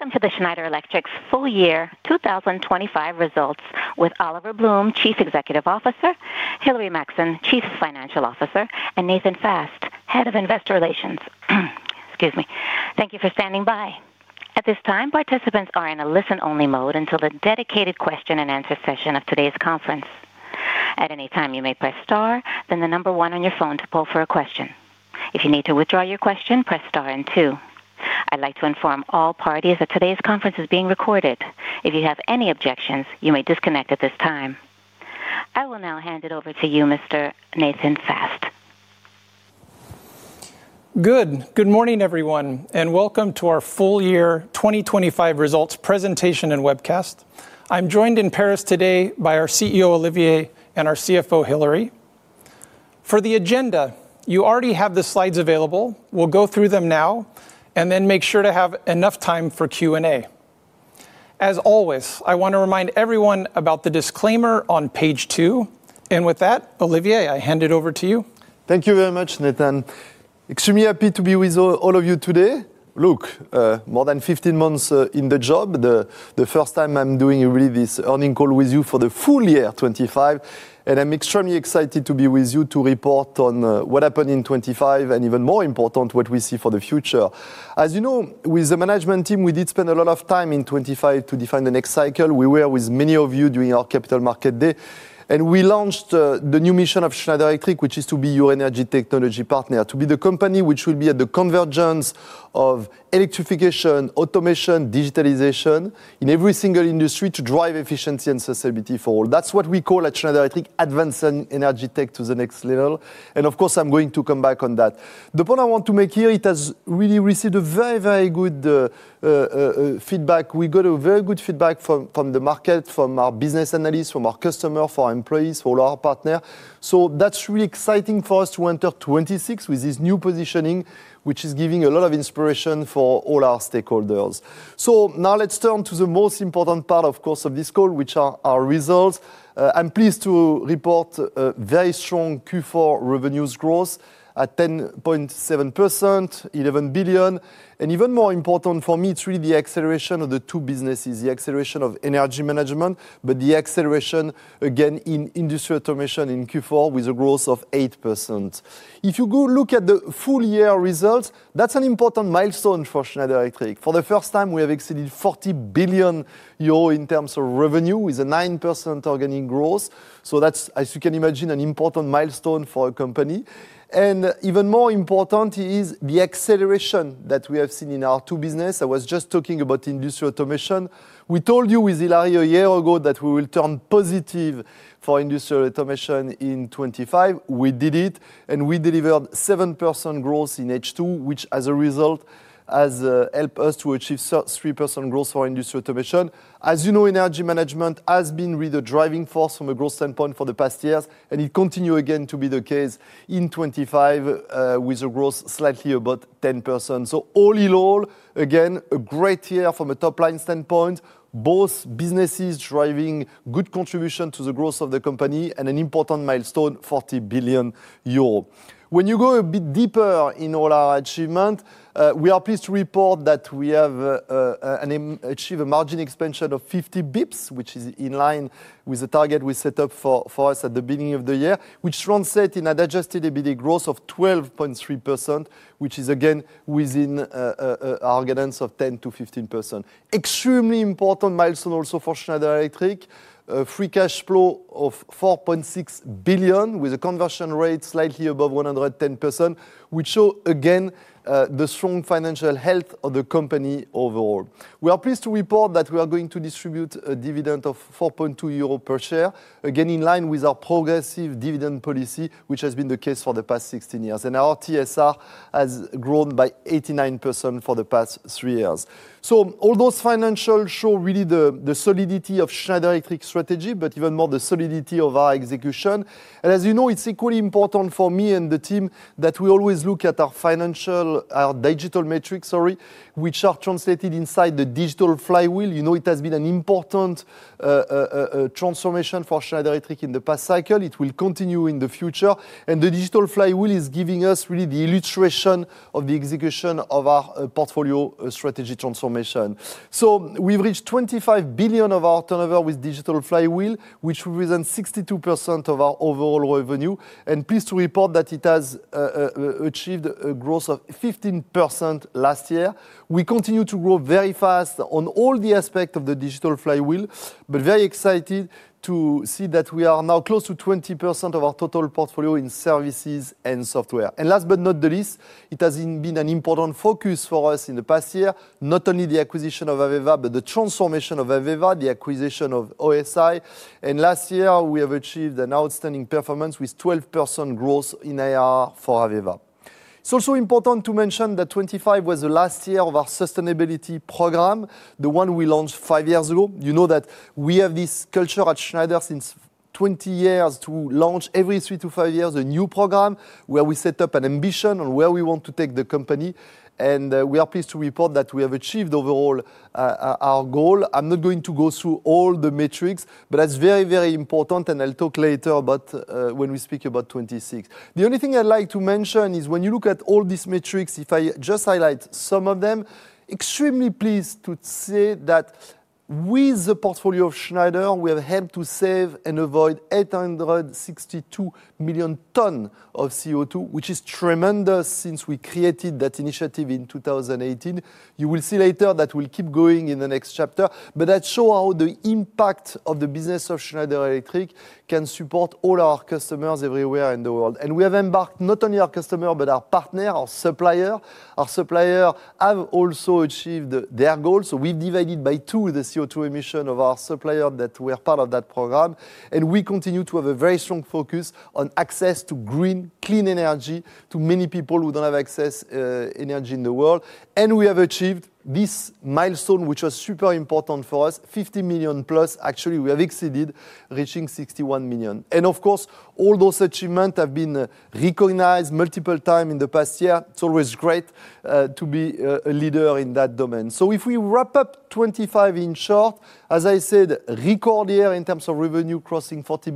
Welcome to the Schneider Electric's Full Year 2025 results with Olivier Blum, Chief Executive Officer, Hilary Maxson, Chief Financial Officer, and Nathan Fast, Head of Investor Relations. Excuse me. Thank you for standing by. At this time, participants are in a listen-only mode until the dedicated question-and-answer session of today's conference. At any time, you may press star, then the one on your phone to poll for a question. If you need to withdraw your question, press star and two. I'd like to inform all parties that today's conference is being recorded. If you have any objections, you may disconnect at this time. I will now hand it over to you, Mr. Nathan Fast. Good morning, everyone, and welcome to our Full Year 2025 Results presentation and webcast. I'm joined in Paris today by our CEO Olivier and our CFO Hilary. For the agenda, you already have the slides available. We'll go through them now and then make sure to have enough time for Q&A. As always, I want to remind everyone about the disclaimer on page two. With that, Olivier, I hand it over to you. Thank you very much, Nathan. Extremely happy to be with all of you today. Look, more than 15 months in the job, the first time I'm doing really this earning call with you for the full year 2025. I'm extremely excited to be with you to report on what happened in 2025 and even more important, what we see for the future. As you know, with the management team, we did spend a lot of time in 2025 to define the next cycle. We were with many of you during our Capital Markets Day, and we launched the new mission of Schneider Electric, which is to be your energy technology partner, to be the company which will be at the convergence of electrification, automation, digitalization in every single industry to drive efficiency and sustainability for all. That's what we call at Schneider Electric, advancing energy tech to the next level. Of course, I'm going to come back on that. The point I want to make here, it has really received a very, very good feedback. We got a very good feedback from the market, from our business analysts, from our customer, for our employees, for all our partner. That's really exciting for us to enter 2026 with this new positioning, which is giving a lot of inspiration for all our stakeholders. Now let's turn to the most important part, of course, of this call, which are our results. I'm pleased to report a very strong Q4 revenues growth at 10.7%, EUR 11 billion. Even more important for me, it's really the acceleration of the two businesses, the acceleration of energy management, but the acceleration again in Industrial Automation in Q4 with a growth of 8%. If you go look at the full year results, that's an important milestone billion, with a conversion rate slightly above 110%, which show again the strong financial health of the company overall. We are pleased to report that we are going to distribute a dividend of 4.2 euro per share, again, in line with our progressive dividend policy, which has been the case for the past 16 years. Our TSR has grown by 89% for the past three years. All those financial show really the solidity of Schneider Electric strategy, but even more the solidity of our execution. As you know, it's equally important for me and the team that we always look at our digital metrics, sorry, which are translated inside the Digital Flywheel. You know, it has been an important transformation for Schneider Electric in the past cycle. It will continue in the future. The Digital Flywheel is giving us really the illustration of the execution of our portfolio strategy transformation. We've reached 25 billion of our turnover with Digital Flywheel, which within 62% of our overall revenue, and pleased to report that it has achieved a growth of 15% last year. We continue to grow very fast on all the aspect of the Digital Flywheel, but very excited to see that we are now close to 20% of our total portfolio in services and software. Last but not the least, it has been an important focus for us in the past year, not only the acquisition of AVEVA, but the transformation of AVEVA, the acquisition of OSI. Last year, we have achieved an outstanding performance with 12% growth in ARR for AVEVA. It's also important to mention that 25 was the last year of our sustainability program, the one we launched five years ago. You know that we have this culture at Schneider since 20 years to launch every 3-5 years, a new program, where we set up an ambition on where we want to take the company, and we are pleased to report that we have achieved overall our goal. I'm not going to go through all the metrics, but that's very, very important, and I'll talk later about when we speak about 26. The only thing I'd like to mention is when you look at all these metrics, if I just highlight some of them, extremely pleased to say that. With the portfolio of Schneider, we have helped to save and avoid 862 million ton of CO2, which is tremendous since we created that initiative in 2018. You will see later that we'll keep going in the next chapter, that show how the impact of the business of Schneider Electric can support all our customers everywhere in the world. We have embarked not only our customer, but our partner, our supplier. Our supplier have also achieved their goals, we've divided by two the CO2 emission of our supplier that were part of that program, we continue to have a very strong focus on access to green, clean energy to many people who don't have access energy in the world. We have achieved this milestone, which was super important for us, 50 million+. Actually, we have exceeded, reaching 61 million. Of course, all those achievements have been recognized multiple times in the past year. It's always great to be a leader in that domain. If we wrap up 2025 in short, as I said, record year in terms of revenue, crossing 40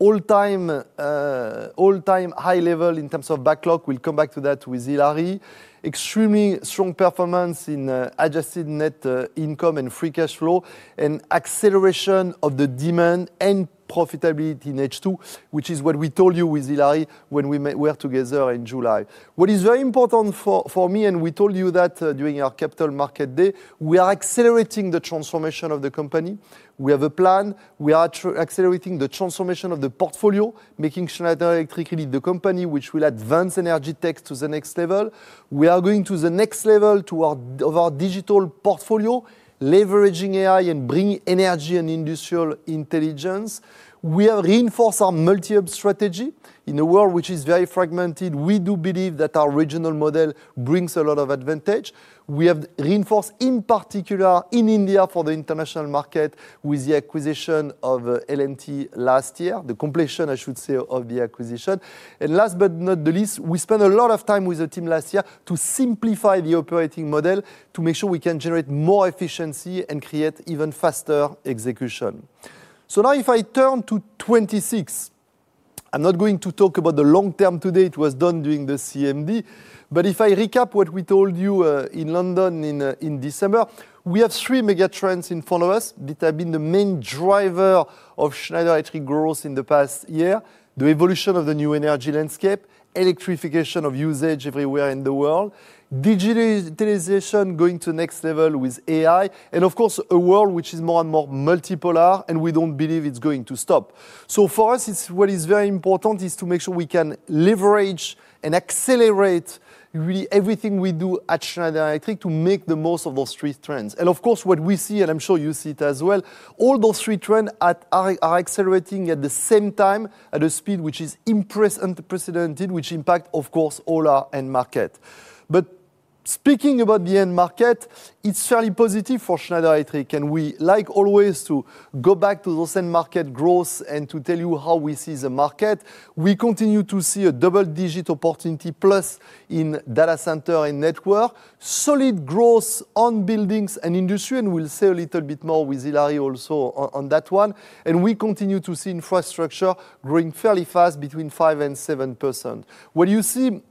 billion. All-time high level in terms of backlog. We'll come back to that with Hilary. Extremely strong performance in Adjusted Net Income and free cash flow, and acceleration of the demand and profitability in H2, which is what we told you with Hilary when we were together in July. What is very important for me, and we told you that during our Capital Markets Day, we are accelerating the transformation of the company. We have a plan. We are accelerating the transformation of the portfolio, making Schneider Electric the company which will advance energy tech to the next level. We are going to the next level of our digital portfolio, leveraging AI and bringing energy and industrial intelligence. We have reinforced our multi-hub strategy. A world which is very fragmented, we do believe that our regional model brings a lot of advantage. We have reinforced, in particular in India, for the international market, with the acquisition of L&T last year, the completion, I should say, of the acquisition. Last but not the least, we spent a lot of time with the team last year to simplify the operating model, to make sure we can generate more efficiency and create even faster execution. Now, if I turn to 2026, I'm not going to talk about the long term today. It was done during the CMD. If I recap what we told you in London in December, we have three mega trends in front of us that have been the main driver of Schneider Electric growth in the past year: the evolution of the new energy landscape, electrification of usage everywhere in the world, digitalization going to the next level with AI, and of course, a world which is more and more multipolar, and we don't believe it's going to stop. For us, it's what is very important is to make sure we can leverage and accelerate really everything we do at Schneider Electric to make the most of those three trends. Of course, what we see, and I'm sure you see it as well, all those three trends are accelerating at the same time at a speed which is unprecedented, which impact, of course, all our end market. Speaking about the end market, it's fairly positive for Schneider Electric, and we like always to go back to those end market growth and to tell you how we see the market. We continue to see a double-digit opportunity + in data center and network, solid growth on buildings and industry, and we'll say a little bit more with Hilary also on that one. We continue to see infrastructure growing fairly fast between 5%-7%. What you see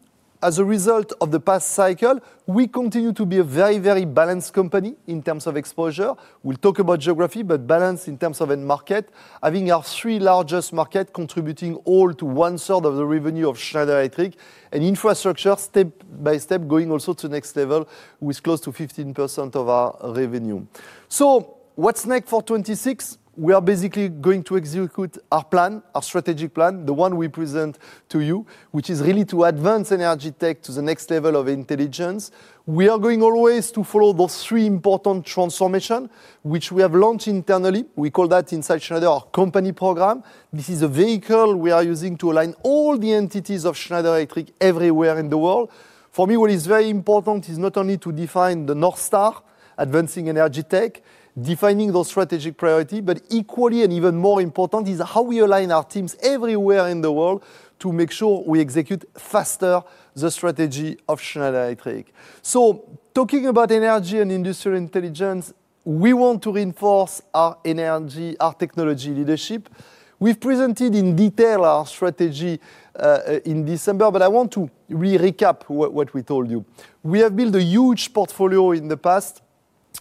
as a result of the past cycle, we continue to be a very, very balanced company in terms of exposure. We'll talk about geography, but balance in terms of end market, having our three largest market contributing all to 1/3 of the revenue of Schneider Electric, and infrastructure step by step, going also to the next level, with close to 15% of our revenue. What's next for 2026? We are basically going to execute our plan, our strategic plan, the one we present to you, which is really to advance energy tech to the next level of intelligence. We are going always to follow those three important transformation, which we have launched internally. We call that Inside Schneider, our company program. This is a vehicle we are using to align all the entities of Schneider Electric everywhere in the world. For me, what is very important is not only to define the North Star, advancing energy tech, defining those strategic priority, but equally and even more important is how we align our teams everywhere in the world to make sure we execute faster the strategy of Schneider Electric. Talking about energy and industrial intelligence, we want to reinforce our energy, our technology leadership. We've presented in detail our strategy in December, but I want to recap what we told you. We have built a huge portfolio in the past,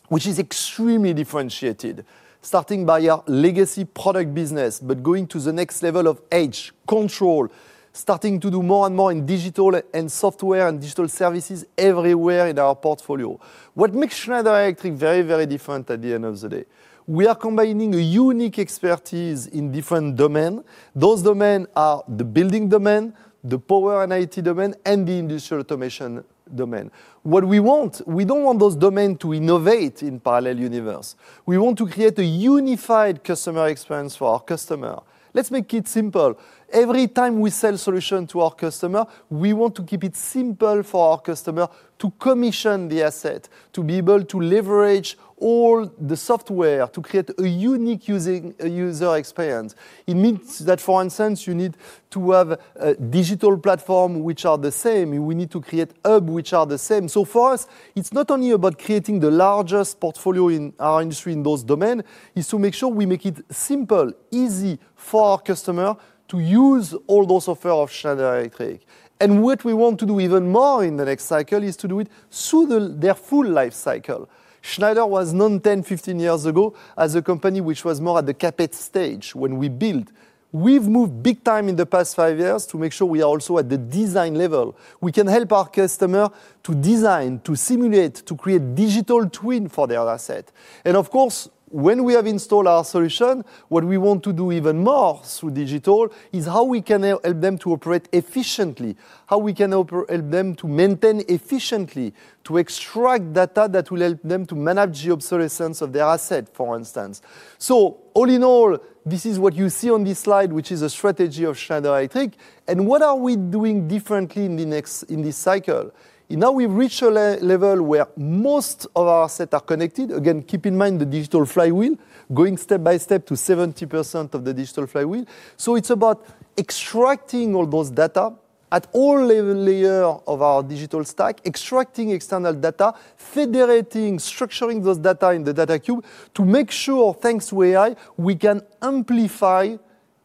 which is extremely differentiated, starting by our legacy product business, but going to the next level of edge, control, starting to do more and more in digital and software and digital services everywhere in our portfolio. What makes Schneider Electric very, very different at the end of the day? We are combining a unique expertise in different domain. Those domain are the building domain, the power and IT domain, and the industrial automation domain. We don't want those domain to innovate in parallel universe. We want to create a unified customer experience for our customer. Let's make it simple. Every time we sell solution to our customer, we want to keep it simple for our customer to commission the asset, to be able to leverage all the software, to create a unique user experience. It means that, for instance, you need to have a digital platform which are the same. We need to create hub which are the same. For us, it's not only about creating the largest portfolio in our industry in those domain, is to make sure we make it simple, easy for our customer to use all those software of Schneider Electric. What we want to do even more in the next cycle is to do it through the their full life cycle. Schneider was known 10, 15 years ago as a company which was more at the CapEx stage when we built. We've moved big time in the past five years to make sure we are also at the design level. We can help our customer to design, to simulate, to create digital twin for their asset. Of course, when we have installed our solution, what we want to do even more through digital is how we can help them to operate efficiently, how we can help them to maintain efficiently, to extract data that will help them to manage the observation of their asset, for instance. All in all, this is what you see on this slide, which is a strategy of Schneider Electric. What are we doing differently in this cycle? Now, we've reached a level where most of our asset are connected. Again, keep in mind the Digital Flywheel, going step by step to 70% of the Digital Flywheel. It's about extracting all those data. At all level, layer of our digital stack, extracting external data, federating, structuring those data in the data cube to make sure, thanks to AI, we can amplify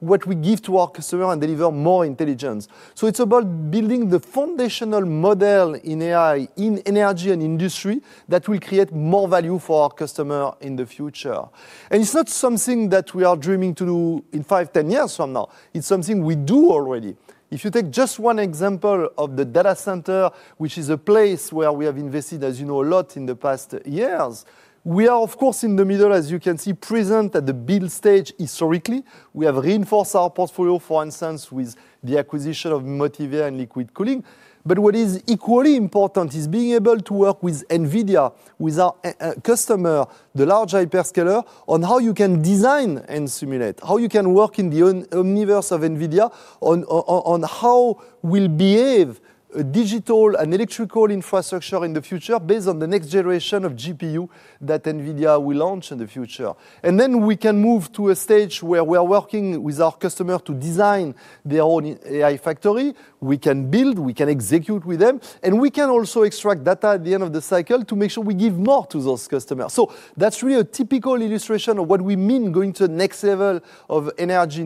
what we give to our customer and deliver more intelligence. It's about building the foundational model in AI, in energy and industry, that will create more value for our customer in the future. It's not something that we are dreaming to do in five, 10 years from now. It's something we do already. If you take just one example of the data center, which is a place where we have invested, as you know, a lot in the past years, we are, of course, in the middle, as you can see, present at the build stage historically. We have reinforced our portfolio, for instance, with the acquisition of Motivair and Liquid Cooling. What is equally important is being able to work with NVIDIA, with our customer, the large hyperscaler, on how you can design and simulate, how you can work in the universe of NVIDIA on how we'll behave digital and electrical infrastructure in the future based on the next generation of GPU that NVIDIA will launch in the future. Then we can move to a stage where we are working with our customer to design their own AI factory. We can build, we can execute with them, and we can also extract data at the end of the cycle to make sure we give more to those customers. That's really a typical illustration of what we mean going to the next level of energy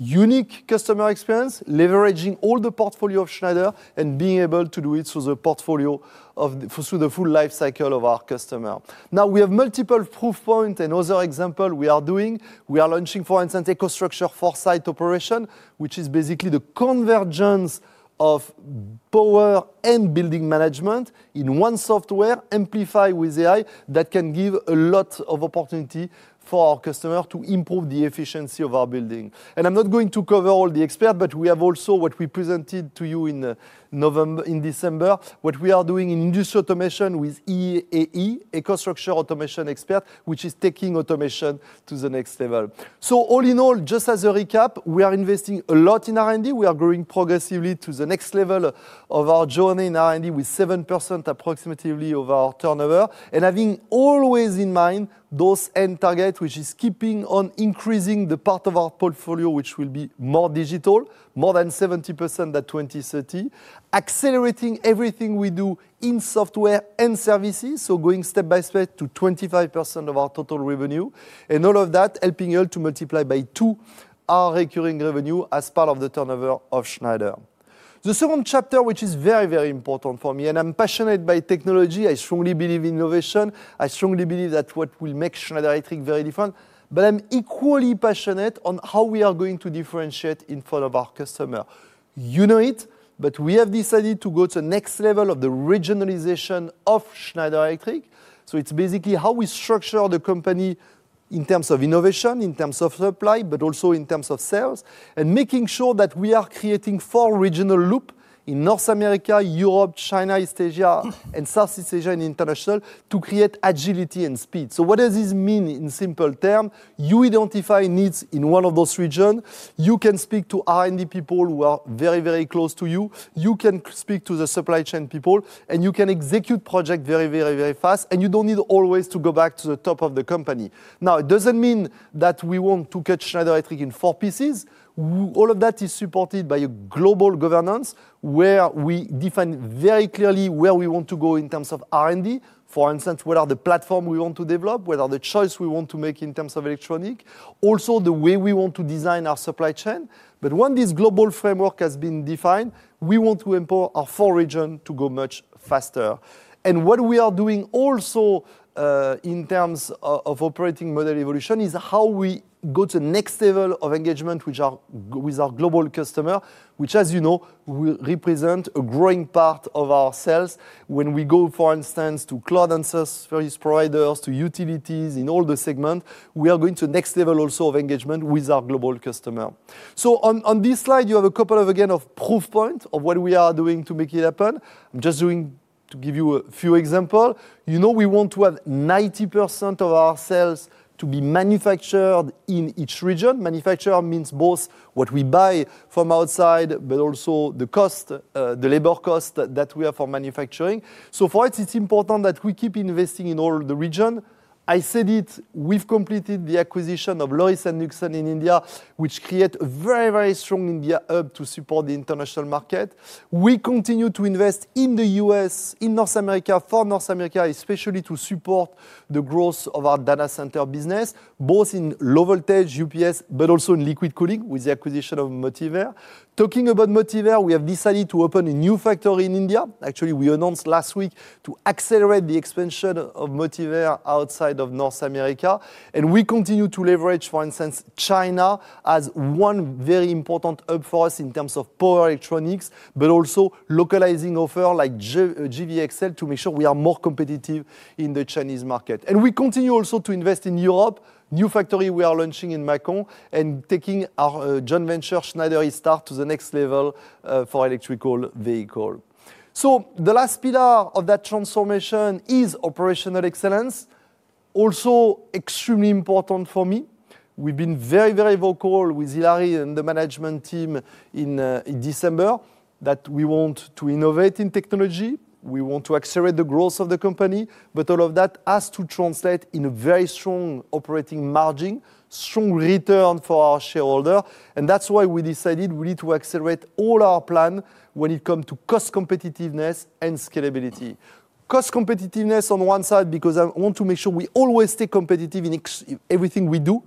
intelligence, unique customer experience, leveraging all the portfolio of Schneider, and being able to do it through the full life cycle of our customer. We have multiple proof point and other example we are doing. We are launching, for instance, EcoStruxure for site operation, which is basically the convergence of power and building management in one software, amplify with AI, that can give a lot of opportunity for our customer to improve the efficiency of our building. I'm not going to cover all the expert, but we have also what we presented to you in November, in December, what we are doing in Industrial Automation with EAE, EcoStruxure Automation Expert, which is taking automation to the next level. All in all, just as a recap, we are investing a lot in R&D. We are growing progressively to the next level of our journey in R&D, with 7%, approximately, of our turnover, and having always in mind those end target, which is keeping on increasing the part of our portfolio, which will be more digital, more than 70% by 2030, accelerating everything we do in software and services, so going step by step to 25% of our total revenue, and all of that helping us to multiply by two our recurring revenue as part of the turnover of Schneider. The second chapter, which is very, very important for me, and I'm passionate by technology, I strongly believe in innovation. I strongly believe that what will make Schneider Electric very different, but I'm equally passionate on how we are going to differentiate in front of our customer. You know it, but we have decided to go to the next level of the regionalization of Schneider Electric. It's basically how we structure the company in terms of innovation, in terms of supply, but also in terms of sales, and making sure that we are creating four regional loop in North America, Europe, China, East Asia, and South East Asia, and International, to create agility and speed. What does this mean in simple term? You identify needs in one of those region. You can speak to R&D people who are very close to you. You can speak to the supply chain people, and you can execute project very, very, very fast, and you don't need always to go back to the top of the company. Now, it doesn't mean that we want to cut Schneider Electric in four pieces. All of that is supported by a global governance, where we define very clearly where we want to go in terms of R&D. For instance, what are the platform we want to develop? What are the choice we want to make in terms of electronic? Also, the way we want to design our supply chain. When this global framework has been defined, we want to empower our four region to go much faster. What we are doing also, in terms of operating model evolution is how we go to the next level of engagement with our global customer, which, as you know, will represent a growing part of our sales. When we go, for instance, to cloud and service providers, to utilities, in all the segment, we are going to the next level also of engagement with our global customer. On this slide, you have a couple of, again, of proof point of what we are doing to make it happen. I'm just doing to give you a few example. You know, we want to have 90% of our sales to be manufactured in each region. Manufacture means both what we buy from outside, but also the cost, the labor cost that we have for manufacturing. For us, it's important that we keep investing in all the region. I said it, we've completed the acquisition of Larsen & Toubro in India, which create a very, very strong India hub to support the international market. We continue to invest in the U.S., in North America, for North America, especially to support the growth of our data center business, both in low voltage, UPS, but also in Liquid Cooling with the acquisition of Motivair. Talking about Motivair, we have decided to open a new factory in India. Actually, we announced last week to accelerate the expansion of Motivair outside of North America, we continue to leverage, for instance, China as one very important hub for us in terms of power electronics, but also localizing offer like JVXL, to make sure we are more competitive in the Chinese market. We continue also to invest in Europe, new factory we are launching in Macon and taking our joint venture, Schneider eStar, to the next level for electrical vehicle. The last pillar of that transformation is operational excellence. Also extremely important for me, we've been very, very vocal with Hilary and the management team in December, that we want to innovate in technology. We want to accelerate the growth of the company, but all of that has to translate in a very strong operating margin, strong return for our shareholder. That's why we decided we need to accelerate all our plan when it come to cost competitiveness and scalability. Cost competitiveness on one side, because I want to make sure we always stay competitive in everything we do,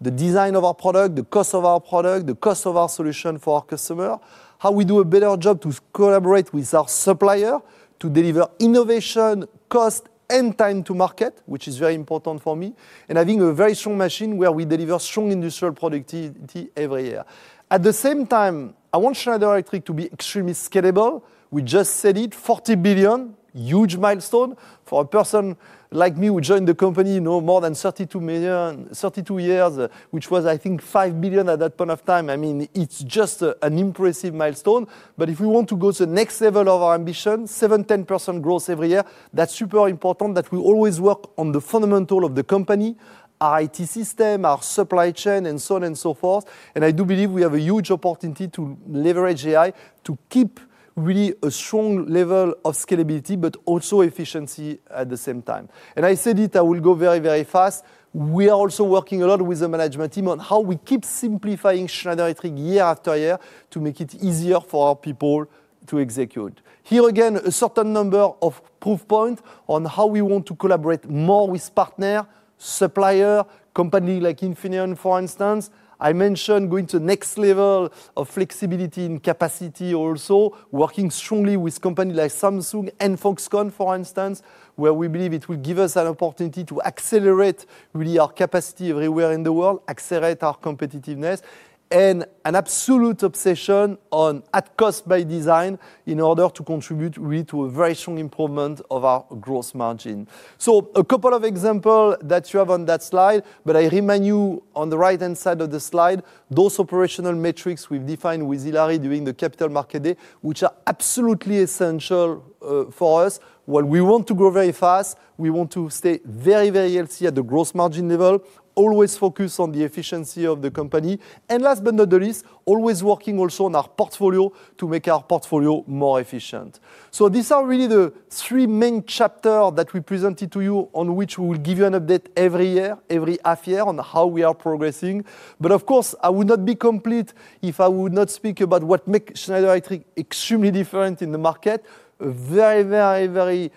the design of our product, the cost of our product, the cost of our solution for our customer, how we do a better job to collaborate with our supplier to deliver innovation, cost, and time to market, which is very important for me, and having a very strong machine where we deliver strong industrial productivity every year. The same time, I want Schneider Electric to be extremely scalable. We just said it, 40 billion, huge milestone for a person like me, who joined the company, you know, more than 32 years, which was, I think, 5 billion at that point of time. I mean, it's just a, an impressive milestone. If we want to go to the next level of our ambition, 7%, 10% growth every year, that's super important that we always work on the fundamental of the company, our IT system, our supply chain, and so on and so forth. I do believe we have a huge opportunity to leverage AI to keep really a strong level of scalability, but also efficiency at the same time. I said it, I will go very, very fast. We are also working a lot with the management team on how we keep simplifying Schneider Electric year after year to make it easier for our people to execute. Here, again, a certain number of proof point on how we want to collaborate more with partner, supplier, company like Infineon, for instance. I mentioned going to the next level of flexibility and capacity, also, working strongly with company like Samsung and Foxconn, for instance, where we believe it will give us an opportunity to accelerate really our capacity everywhere in the world, accelerate our competitiveness, and an absolute obsession on at cost by design in order to contribute really to a very strong improvement of our gross margin. A couple of example that you have on that slide, but I remind you on the right-hand side of the slide, those operational metrics we've defined with Hilary during the Capital Markets Day, which are absolutely essential for us. While we want to grow very fast, we want to stay very, very healthy at the gross margin level, always focus on the efficiency of the company, and last but not the least, always working also on our portfolio to make our portfolio more efficient. These are really the three main chapter that we presented to you, on which we will give you an update every year, every half year, on how we are progressing. Of course, I would not be complete if I would not speak about what make Schneider Electric extremely different in the market. A very, very, very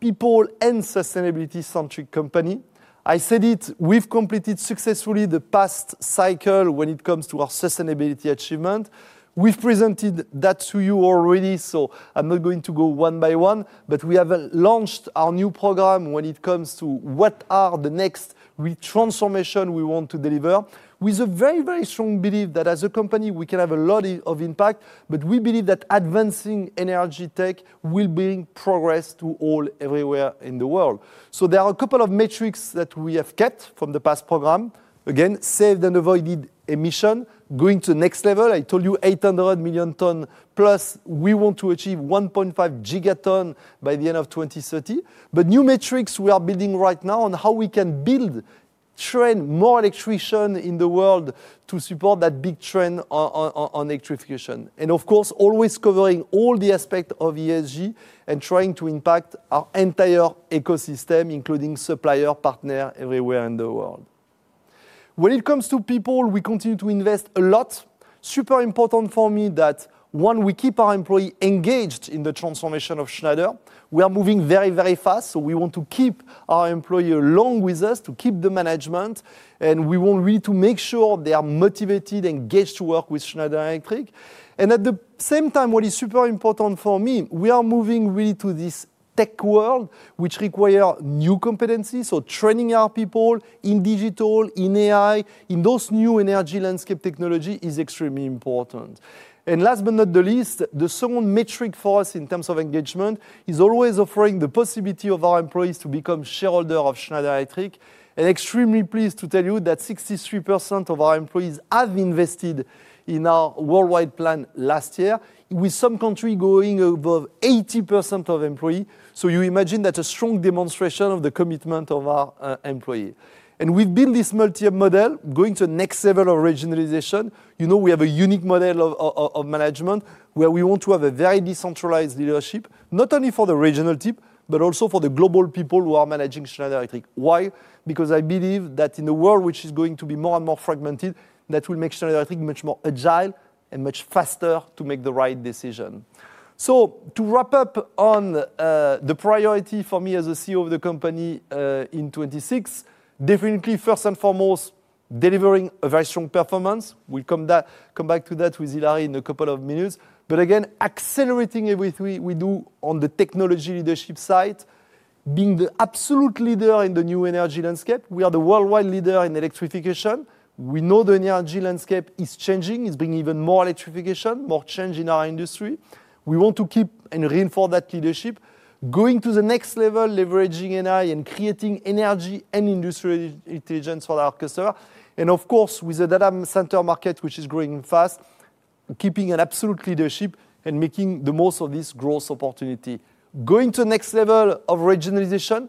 people and sustainability-centric company. I said it, we've completed successfully the past cycle when it comes to our sustainability achievement. We've presented that to you already, so I'm not going to go one by one, but we have launched our new program when it comes to what are the next re-transformation we want to deliver, with a very, very strong belief that as a company, we can have a lot of impact, but we believe that advancing energy tech will bring progress to all everywhere in the world. There are a couple of metrics that we have kept from the past program. Again, saved and avoided emission. Going to the next level, I told you, 800 million ton, plus we want to achieve 1.5 gigaton by the end of 2030. New metrics we are building right now on how we can build, train more electrician in the world to support that big trend on electrification. Of course, always covering all the aspect of ESG and trying to impact our entire ecosystem, including supplier, partner, everywhere in the world. When it comes to people, we continue to invest a lot. Super important for me that, one, we keep our employee engaged in the transformation of Schneider. We are moving very, very fast, so we want to keep our employee along with us, to keep the management, and we want really to make sure they are motivated and engaged to work with Schneider Electric. At the same time, what is super important for me, we are moving really to this tech world, which require new competencies. Training our people in digital, in AI, in those new energy landscape technology is extremely important. Last but not the least, the second metric for us in terms of engagement is always offering the possibility of our employees to become shareholder of Schneider Electric. Extremely pleased to tell you that 63% of our employees have invested in our worldwide plan last year, with some country going above 80% of employee. You imagine that's a strong demonstration of the commitment of our employee. We've built this multi-year model, going to the next level of regionalization. You know, we have a unique model of management, where we want to have a very decentralized leadership, not only for the regional team, but also for the global people who are managing Schneider Electric. Why? I believe that in a world which is going to be more and more fragmented, that will make Schneider Electric much more agile and much faster to make the right decision. To wrap up on the priority for me as a CEO of the company in 2026, definitely, first and foremost, delivering a very strong performance. We'll come back to that with Hilary in a couple of minutes. Again, accelerating everything we do on the technology leadership side, being the absolute leader in the new energy landscape. We are the worldwide leader in electrification. We know the energy landscape is changing. It's bringing even more electrification, more change in our industry. We want to keep and reinforce that leadership. Going to the next level, leveraging AI and creating energy and industry intelligence for our customer. Of course, with the data center market, which is growing fast, keeping an absolute leadership and making the most of this growth opportunity. Going to the next level of regionalization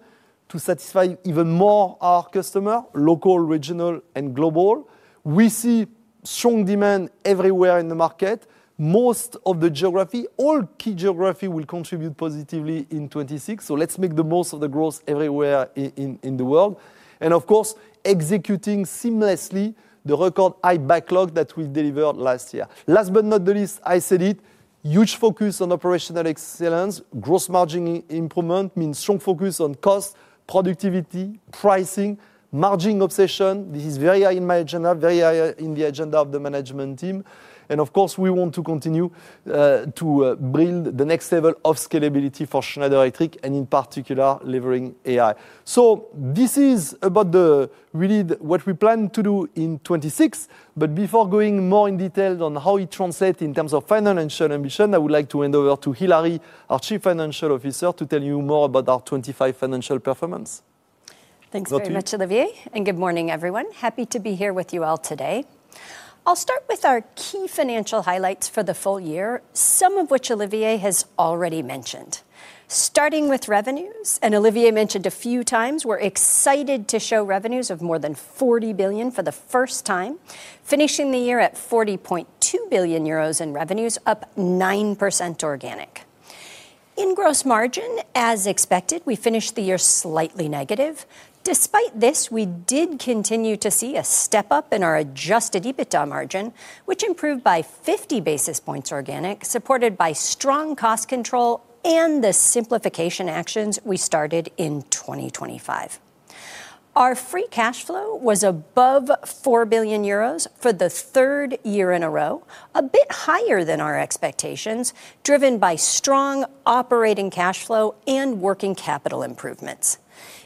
to satisfy even more our customer, local, regional, and global. We see strong demand everywhere in the market. Most of the geography, all key geography will contribute positively in 2026, let's make the most of the growth everywhere in the world. Of course, executing seamlessly the record high backlog that we delivered last year. Last not the least, I said it, huge focus on operational excellence. Gross margin improvement means strong focus on cost, productivity, pricing, margin obsession. This is very high in my agenda, very high in the agenda of the management team, and of course, we want to continue to build the next level of scalability for Schneider Electric, and in particular, delivering AI. This is about the really the what we plan to do in 2026, but before going more in detail on how it translate in terms of financial ambition, I would like to hand over to Hilary, our Chief Financial Officer, to tell you more about our 2025 financial performance. Thanks very much. Hilary Olivier, and good morning, everyone. Happy to be here with you all today. I'll start with our key financial highlights for the full year, some of which Olivier has already mentioned. Starting with revenues, and Olivier mentioned a few times, we're excited to show revenues of more than 40 billion for the first time, finishing the year at 40.2 billion euros in revenues, up 9% organic. In gross margin, as expected, we finished the year slightly negative. Despite this, we did continue to see a step up in our Adjusted EBITDA Margin, which improved by 50 basis points organic, supported by strong cost control and the simplification actions we started in 2025. Our free cash flow was above 4 billion euros for the third year in a row, a bit higher than our expectations, driven by strong operating cash flow and working capital improvements.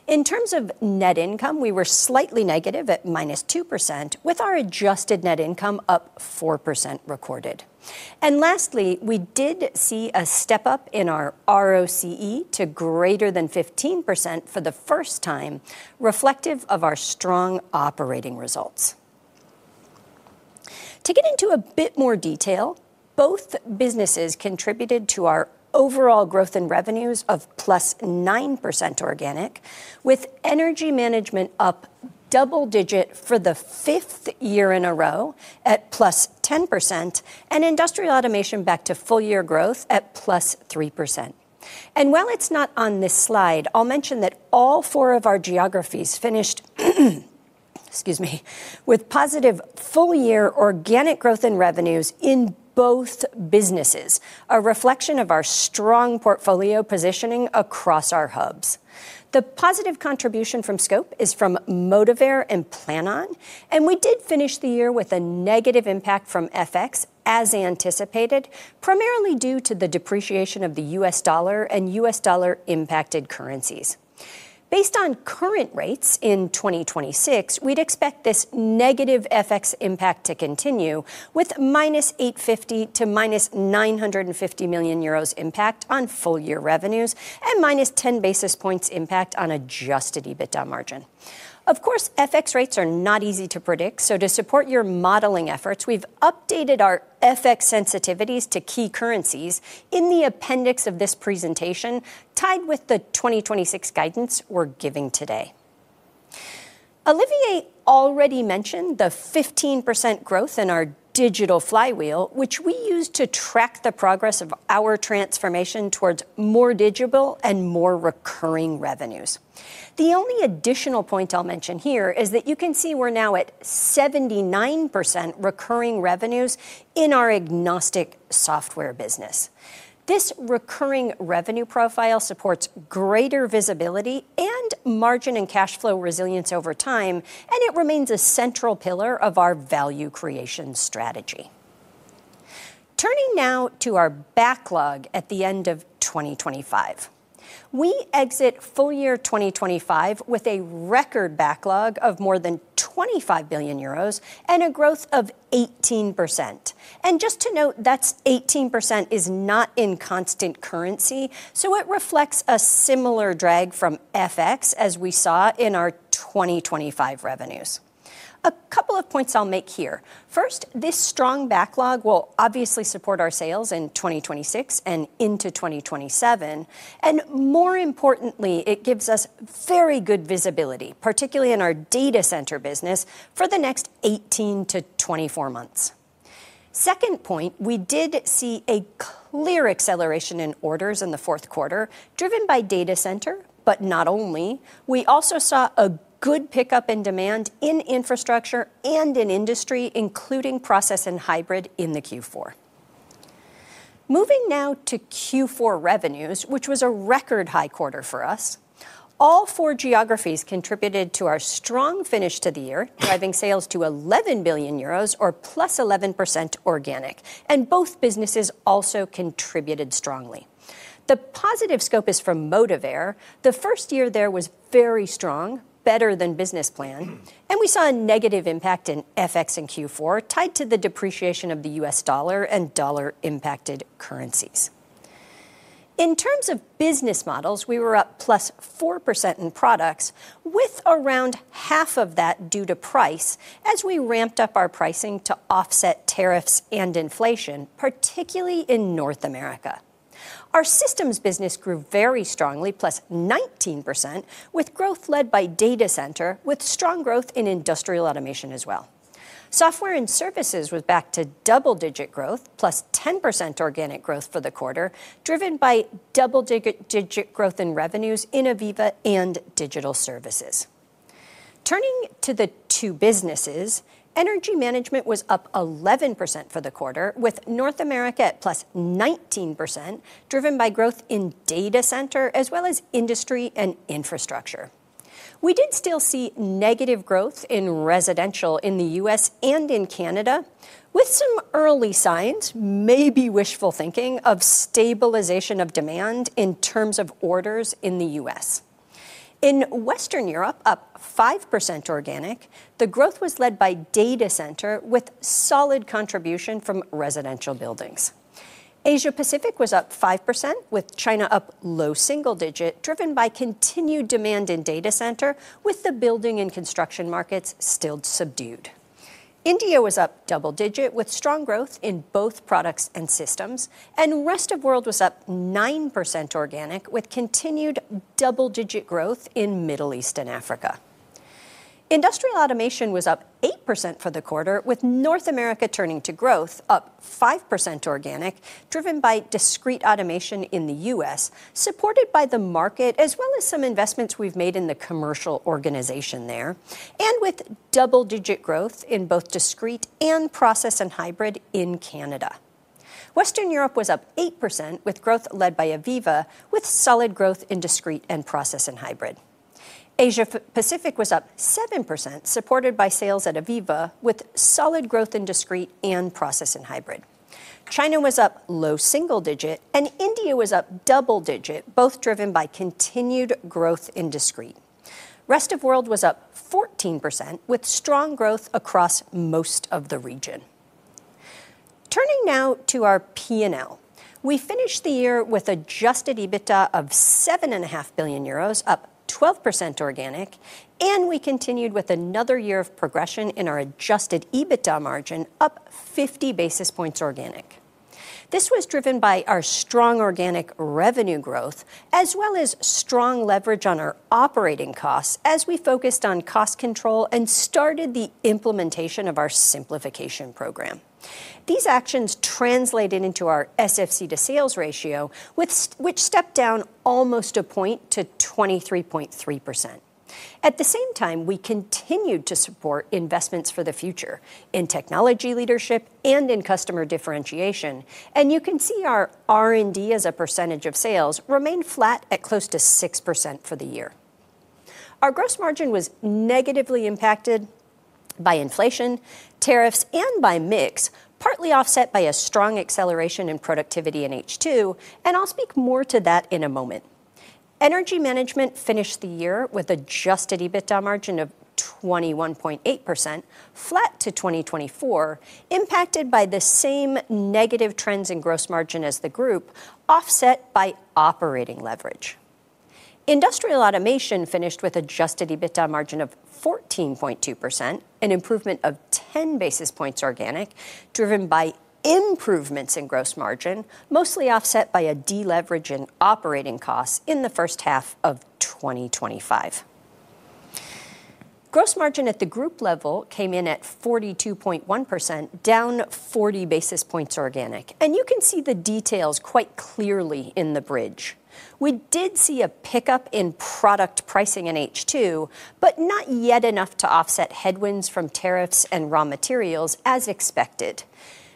In terms of net income, we were slightly negative at -2%, with our Adjusted Net Income up +4% recorded. Lastly, we did see a step up in our ROCE to greater than 15% for the first time, reflective of our strong operating results. To get into a bit more detail, both businesses contributed to our overall growth in revenues of +9% organic, with energy management up double digit for the fifth year in a row at +10%, and industrial automation back to full-year growth at +3%. While it's not on this slide, I'll mention that all four of our geographies finished, excuse me, with positive full-year organic growth in revenues in both businesses, a reflection of our strong portfolio positioning across our hubs. The positive contribution from scope is from Motivair and Planon. We did finish the year with a negative impact from FX as anticipated, primarily due to the depreciation of the US dollar and US dollar-impacted currencies. Based on current rates in 2026, we'd expect this negative FX impact to continue, with -850 million--950 million euros impact on full-year revenues and -10 basis points impact on Adjusted EBITDA Margin. FX rates are not easy to predict, so to support your modeling efforts, we've updated our FX sensitivities to key currencies in the appendix of this presentation, tied with the 2026 guidance we're giving today. Olivier already mentioned the 15% growth in our Digital Flywheel, which we use to track the progress of our transformation towards more digital and more recurring revenues. The only additional point I'll mention here is that you can see we're now at 79% recurring revenues in our agnostic software business. This recurring revenue profile supports greater visibility and margin and cash flow resilience over time. It remains a central pillar of our value creation strategy. Turning now to our backlog at the end of 2025. We exit full year 2025 with a record backlog of more than 25 billion euros and a growth of 18%. Just to note, that 18% is not in constant currency. It reflects a similar drag from FX as we saw in our 2025 revenues. A couple of points I'll make here. This strong backlog will obviously support our sales in 2026 and into 2027, and more importantly, it gives us very good visibility, particularly in our data center business, for the next 18-24 months. We did see a clear acceleration in orders in the fourth quarter, driven by data center, but not only. We also saw a good pickup in demand in infrastructure and in industry, including process and hybrid in the Q4. Moving now to Q4 revenues, which was a record high quarter for us. All four geographies contributed to our strong finish to the year, driving sales to 11 billion euros, or +11% organic, and both businesses also contributed strongly. The positive scope is from Motivair. The first year there was very strong, better than business plan, and we saw a negative impact in FX in Q4, tied to the depreciation of the US dollar and dollar-impacted currencies. In terms of business models, we were up +4% in products, with around half of that due to price, as we ramped up our pricing to offset tariffs and inflation, particularly in North America. Our systems business grew very strongly, +19%, with growth led by data center, with strong growth in industrial automation as well. Software and services was back to double-digit growth, +10% organic growth for the quarter, driven by double-digit growth in revenues in AVEVA and digital services. Turning to the two businesses, Energy Management was up 11% for the quarter, with North America at +19%, driven by growth in data center, as well as industry and infrastructure. We did still see negative growth in residential in the U.S. and in Canada, with some early signs, maybe wishful thinking, of stabilization of demand in terms of orders in the U.S. In Western Europe, up 5% organic, the growth was led by data center with solid contribution from residential buildings. Asia Pacific was up 5%, with China up low single digit, driven by continued demand in data center, with the building and construction markets still subdued. India was up double digit, with strong growth in both products and systems. Rest of world was up 9% organic, with continued double-digit growth in Middle East and Africa. Industrial automation was up 8% for the quarter, with North America turning to growth, up 5% organic, driven by discrete automation in the U.S., supported by the market, as well as some investments we've made in the commercial organization there, and with double-digit growth in both discrete and process and hybrid in Canada. Western Europe was up 8%, with growth led by AVEVA, with solid growth in discrete and process and hybrid. Asia Pacific was up 7%, supported by sales at AVEVA, with solid growth in discrete and process and hybrid. China was up low single digit. India was up double digit, both driven by continued growth in discrete. Rest of world was up 14%, with strong growth across most of the region. Turning now to our P&L. We finished the year with Adjusted EBITDA of 7.5 billion euros, up 12% organic. We continued with another year of progression in our Adjusted EBITDA Margin, up 50 basis points organic. This was driven by our strong organic revenue growth, as well as strong leverage on our operating costs as we focused on cost control and started the implementation of our simplification program. These actions translated into our SFC to sales ratio, which stepped down almost a point to 23.3%. At the same time, we continued to support investments for the future in technology leadership and in customer differentiation. You can see our R&D as a percentage of sales remained flat at close to 6% for the year. Our gross margin was negatively impacted by inflation, tariffs, and by mix, partly offset by a strong acceleration in productivity in H2, and I'll speak more to that in a moment. Energy management finished the year with Adjusted EBITDA Margin of 21.8%, flat to 2024, impacted by the same negative trends in gross margin as the group, offset by operating leverage. Industrial automation finished with Adjusted EBITDA Margin of 14.2%, an improvement of 10 basis points organic, driven by improvements in gross margin, mostly offset by a deleverage in operating costs in the first half of 2025. Gross margin at the group level came in at 42.1%, down 40 basis points organic, and you can see the details quite clearly in the bridge. We did see a pickup in product pricing in H2, but not yet enough to offset headwinds from tariffs and raw materials as expected.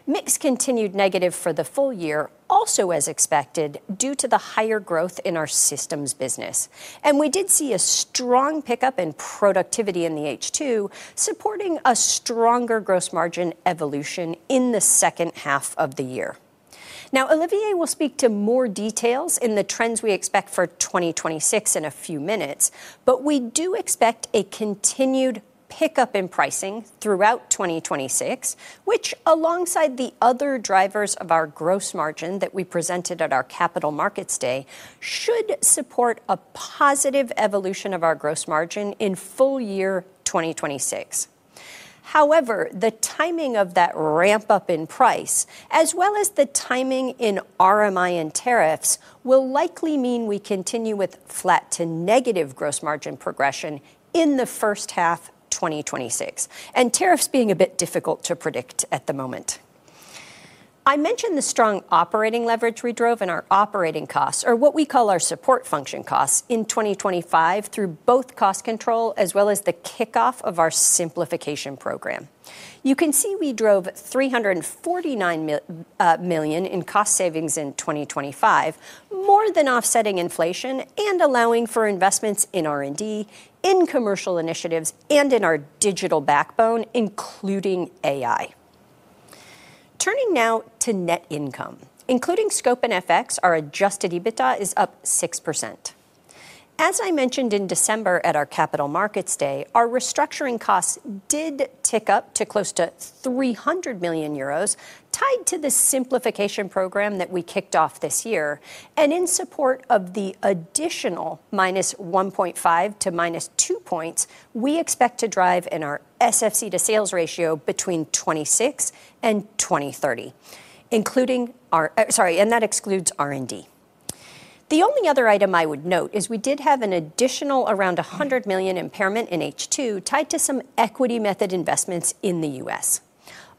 Mix continued negative for the full year, also as expected, due to the higher growth in our systems business. We did see a strong pickup in productivity in the H2, supporting a stronger gross margin evolution in the second half of the year. Olivier will speak to more details in the trends we expect for 2026 in a few minutes, but we do expect a continued pickup in pricing throughout 2026, which, alongside the other drivers of our gross margin that we presented at our Capital Markets Day, should support a positive evolution of our gross margin in full year 2026. The timing of that ramp-up in price, as well as the timing in RMI and tariffs, will likely mean we continue with flat to negative gross margin progression in the first half 2026, and tariffs being a bit difficult to predict at the moment. I mentioned the strong operating leverage we drove in our operating costs, or what we call our support function costs, in 2025, through both cost control as well as the kickoff of our simplification program. You can see we drove 349 million in cost savings in 2025, more than offsetting inflation and allowing for investments in R&D, in commercial initiatives, and in our digital backbone, including AI. Turning now to net income. Including scope and FX, our Adjusted EBITDA is up 6%. As I mentioned in December at our Capital Markets Day, our restructuring costs did tick up to close to 300 million euros, tied to the simplification program that we kicked off this year, and in support of the additional -1.5 to -2 points, we expect to drive in our SFC to sales ratio between 2026 and 2030, including sorry, and that excludes R&D. The only other item I would note is we did have an additional around 100 million impairment in H2, tied to some equity method investments in the US.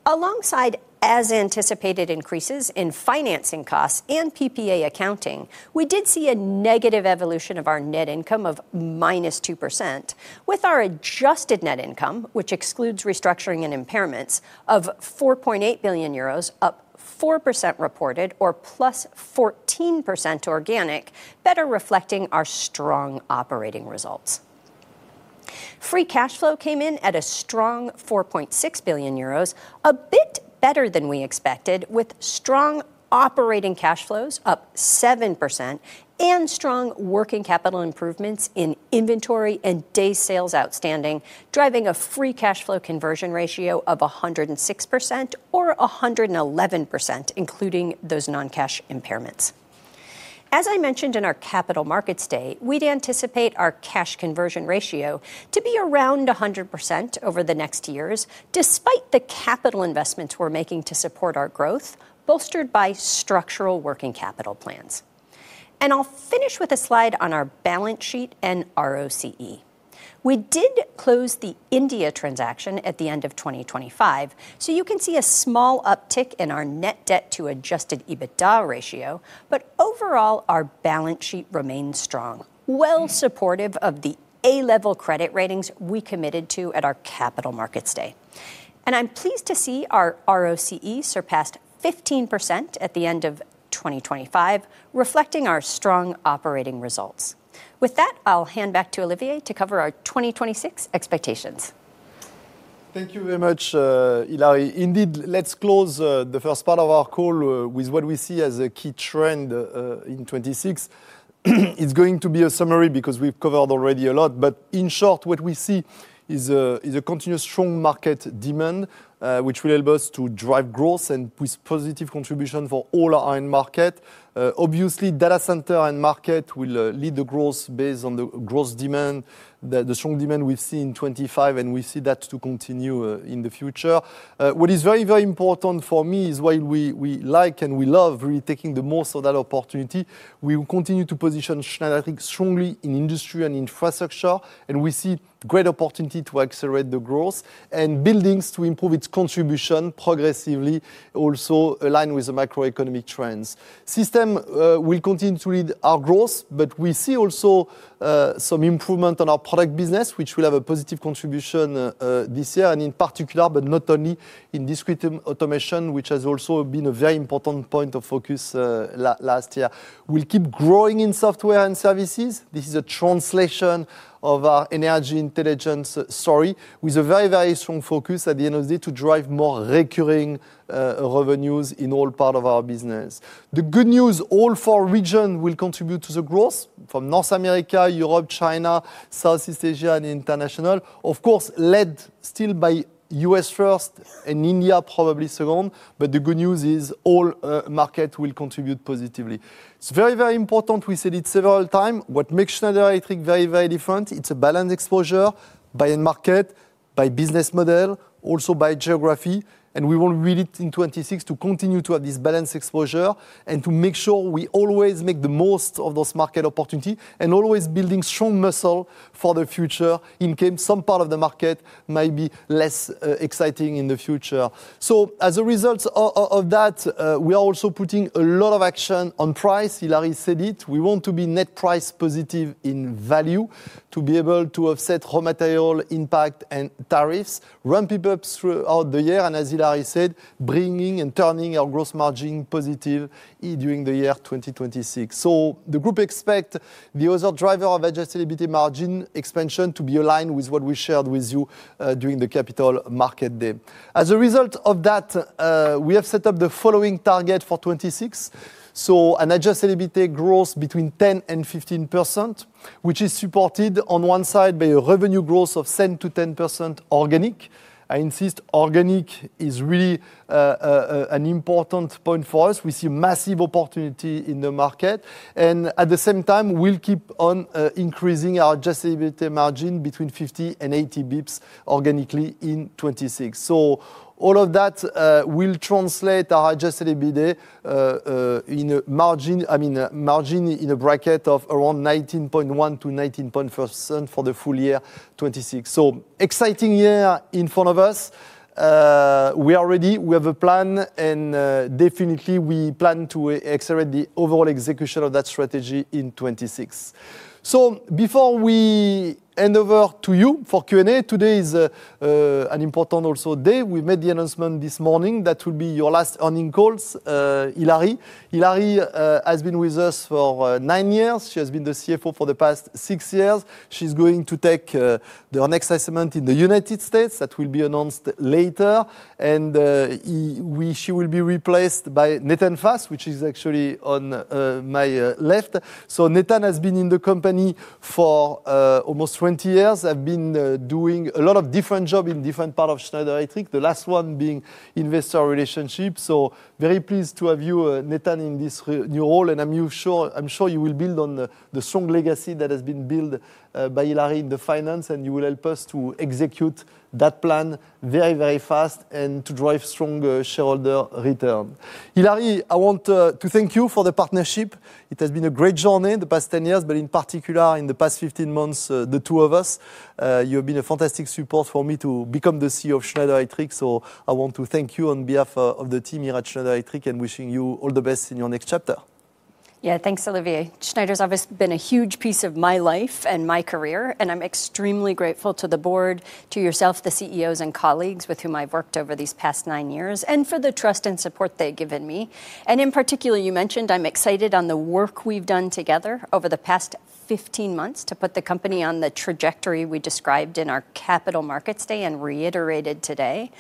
Alongside, as anticipated increases in financing costs and PPA accounting, we did see a negative evolution of our net income of -2%, with our Adjusted Net Income, which excludes restructuring and impairments, of 4.8 billion euros, up 4% reported or +14% organic, better reflecting our strong operating results. Free Cash Flow came in at a strong 4.6 billion euros, a bit better than we expected, with strong operating cash flows up 7% and strong working capital improvements in inventory and days sales outstanding, driving a free cash flow conversion ratio of 106% or 111%, including those non-cash impairments. As I mentioned in our Capital Markets Day, we'd anticipate our cash conversion ratio to be around 100% over the next years, despite the capital investments we're making to support our growth, bolstered by structural working capital plans. I'll finish with a slide on our balance sheet and ROCE. We did close the India transaction at the end of 2025, you can see a small uptick in our Net Debt to Adjusted EBITDA ratio. Overall, our balance sheet remains strong, well supportive of the A-level credit ratings we committed to at our Capital Markets Day. I'm pleased to see our ROCE surpassed 15% at the end of 2025, reflecting our strong operating results. With that, I'll hand back to Olivier to cover our 2026 expectations. Thank you very much, Hilary. Indeed, let's close the first part of our call with what we see as a key trend in 26. It's going to be a summary because we've covered already a lot. In short, what we see is a continuous strong market demand, which will help us to drive growth and with positive contribution for all our end market. Obviously, data center end market will lead the growth based on the growth demand, the strong demand we've seen in 25, and we see that to continue in the future. What is very, very important for me is while we like and we love really taking the most of that opportunity, we will continue to position Schneider, I think, strongly in industry and infrastructure. We see great opportunity to accelerate the growth and buildings to improve its contribution progressively, also align with the macroeconomic trends. System will continue to lead our growth. We see also some improvement on our product business, which will have a positive contribution this year, and in particular, but not only in discrete automation, which has also been a very important point of focus last year. We'll keep growing in software and services. This is a translation of our energy intelligence story, with a very, very strong focus at the end of the day, to drive more recurring revenues in all part of our business. The good news, all four region will contribute to the growth from North America, Europe, China, Southeast Asia, and International. Of course, led still by U.S. first and India probably second, the good news is all market will contribute positively. It's very important. We said it several time. What makes Schneider Electric very different, it's a balanced exposure by end market, by business model, also by geography, and we will read it in 2026 to continue to have this balanced exposure and to make sure we always make the most of those market opportunity, and always building strong muscle for the future in case some part of the market might be less exciting in the future. As a result of that, we are also putting a lot of action on price. Hilary said it. We want to be net price positive in value to be able to offset raw material impact and tariffs, ramp it up throughout the year, and as Hilary said, bringing and turning our gross margin positive during the year 2026. The group expect the other driver of Adjusted EBITDA Margin expansion to be aligned with what we shared with you during the Capital Markets Day. As a result of that, we have set up the following target for 2026. An Adjusted EBITDA growth between 10% and 15%, which is supported on one side by a revenue growth of 7%-10% organic. I insist organic is really an important point for us. We see massive opportunity in the market. At the same time, we'll keep on increasing our Adjusted EBITDA Margin between 50 and 80 basis points organically in 2026. All of that will translate our Adjusted EBITDA in a margin in a bracket of around 19.1%-19% for the full year 2026. Exciting year in front of us. We are ready. We have a plan. Definitely, we plan to accelerate the overall execution of that strategy in 2026. Before we hand over to you for Q&A, today is an important also day. We made the announcement this morning. That will be your last earning calls, Hilary. Hilary has been with us for nine years. She has been the CFO for the past nine years. She's going to take the next assignment in the United States. That will be announced later, and she will be replaced by Nathan Fast, which is actually on my left. Nathan has been in the company for almost 20 years, have been doing a lot of different job in different part of Schneider Electric, the last one being investor relationships. Very pleased to have you, Nathan, in this new role, and I'm sure you will build on the strong legacy that has been built by Hilary in the finance, and you will help us to execute that plan very, very fast and to drive strong shareholder return. Hilary, I want to thank you for the partnership. It has been a great journey the past 10 years, but in particular, in the past 15 months, the two of us. You've been a fantastic support for me to become the CEO of Schneider Electric, so I want to thank you on behalf of the team here at Schneider Electric, and wishing you all the best in your next chapter. Yeah, thanks, Olivier. Schneider's obviously been a huge piece of my life and my career. I'm extremely grateful to the board, to yourself, the CEOs and colleagues with whom I've worked over these past nine years, and for the trust and support they've given me. In particular, you mentioned I'm excited on the work we've done together over the past 15 months to put the company on the trajectory we described in our Capital Markets Day and reiterated today.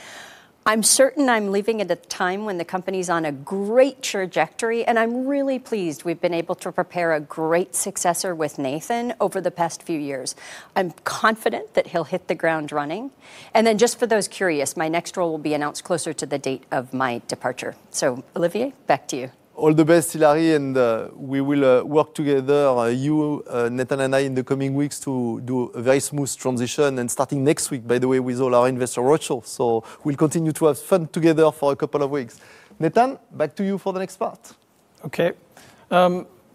I'm certain I'm leaving at a time when the company's on a great trajectory, and I'm really pleased we've been able to prepare a great successor with Nathan over the past few years. I'm confident that he'll hit the ground running. Then, just for those curious, my next role will be announced closer to the date of my departure. Olivier, back to you. All the best, Hilary. We will work together, you, Nathan, and I, in the coming weeks to do a very smooth transition, and starting next week, by the way, with all our investor roadshow. We'll continue to have fun together for a couple of weeks. Nathan, back to you for the next part. Okay,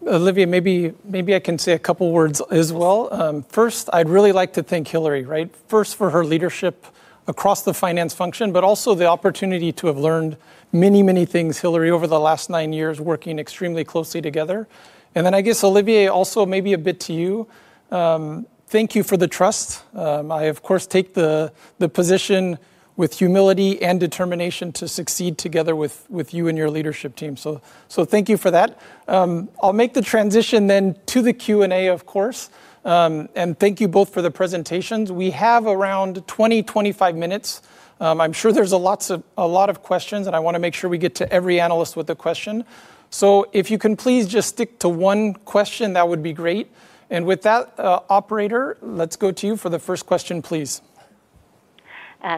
Olivier, maybe I can say a couple words as well. First, I'd really like to thank Hilary, right? First, for her leadership across the finance function, but also the opportunity to have learned many, many things, Hilary, over the last nine years, working extremely closely together. Then I guess, Olivier, also maybe a bit to you. Thank you for the trust. I, of course, take the position with humility and determination to succeed together with you and your leadership team. Thank you for that. I'll make the transition then to the Q&A, of course. Thank you both for the presentations. We have around 20, 25 minutes. I'm sure there's a lot of questions, and I wanna make sure we get to every analyst with a question. If you can please just stick to one question, that would be great. With that, operator, let's go to you for the first question, please.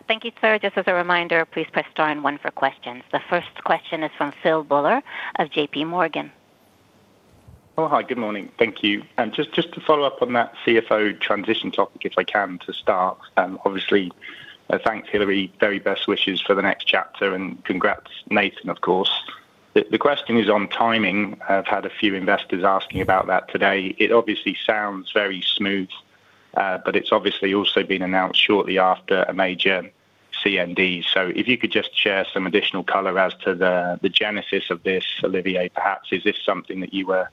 Thank you, sir. Just as a reminder, please press star one for questions. The first question is from Phil Buller of J.P. Morgan. Hi, good morning. Thank you. Just to follow up on that CFO transition topic, if I can, to start. Obviously, thanks, Hilary. Very best wishes for the next chapter, and congrats, Nathan, of course. The question is on timing. I've had a few investors asking about that today. It obviously sounds very smooth, but it's obviously also been announced shortly after a major CMD. If you could just share some additional color as to the genesis of this, Olivier, perhaps. Is this something that you were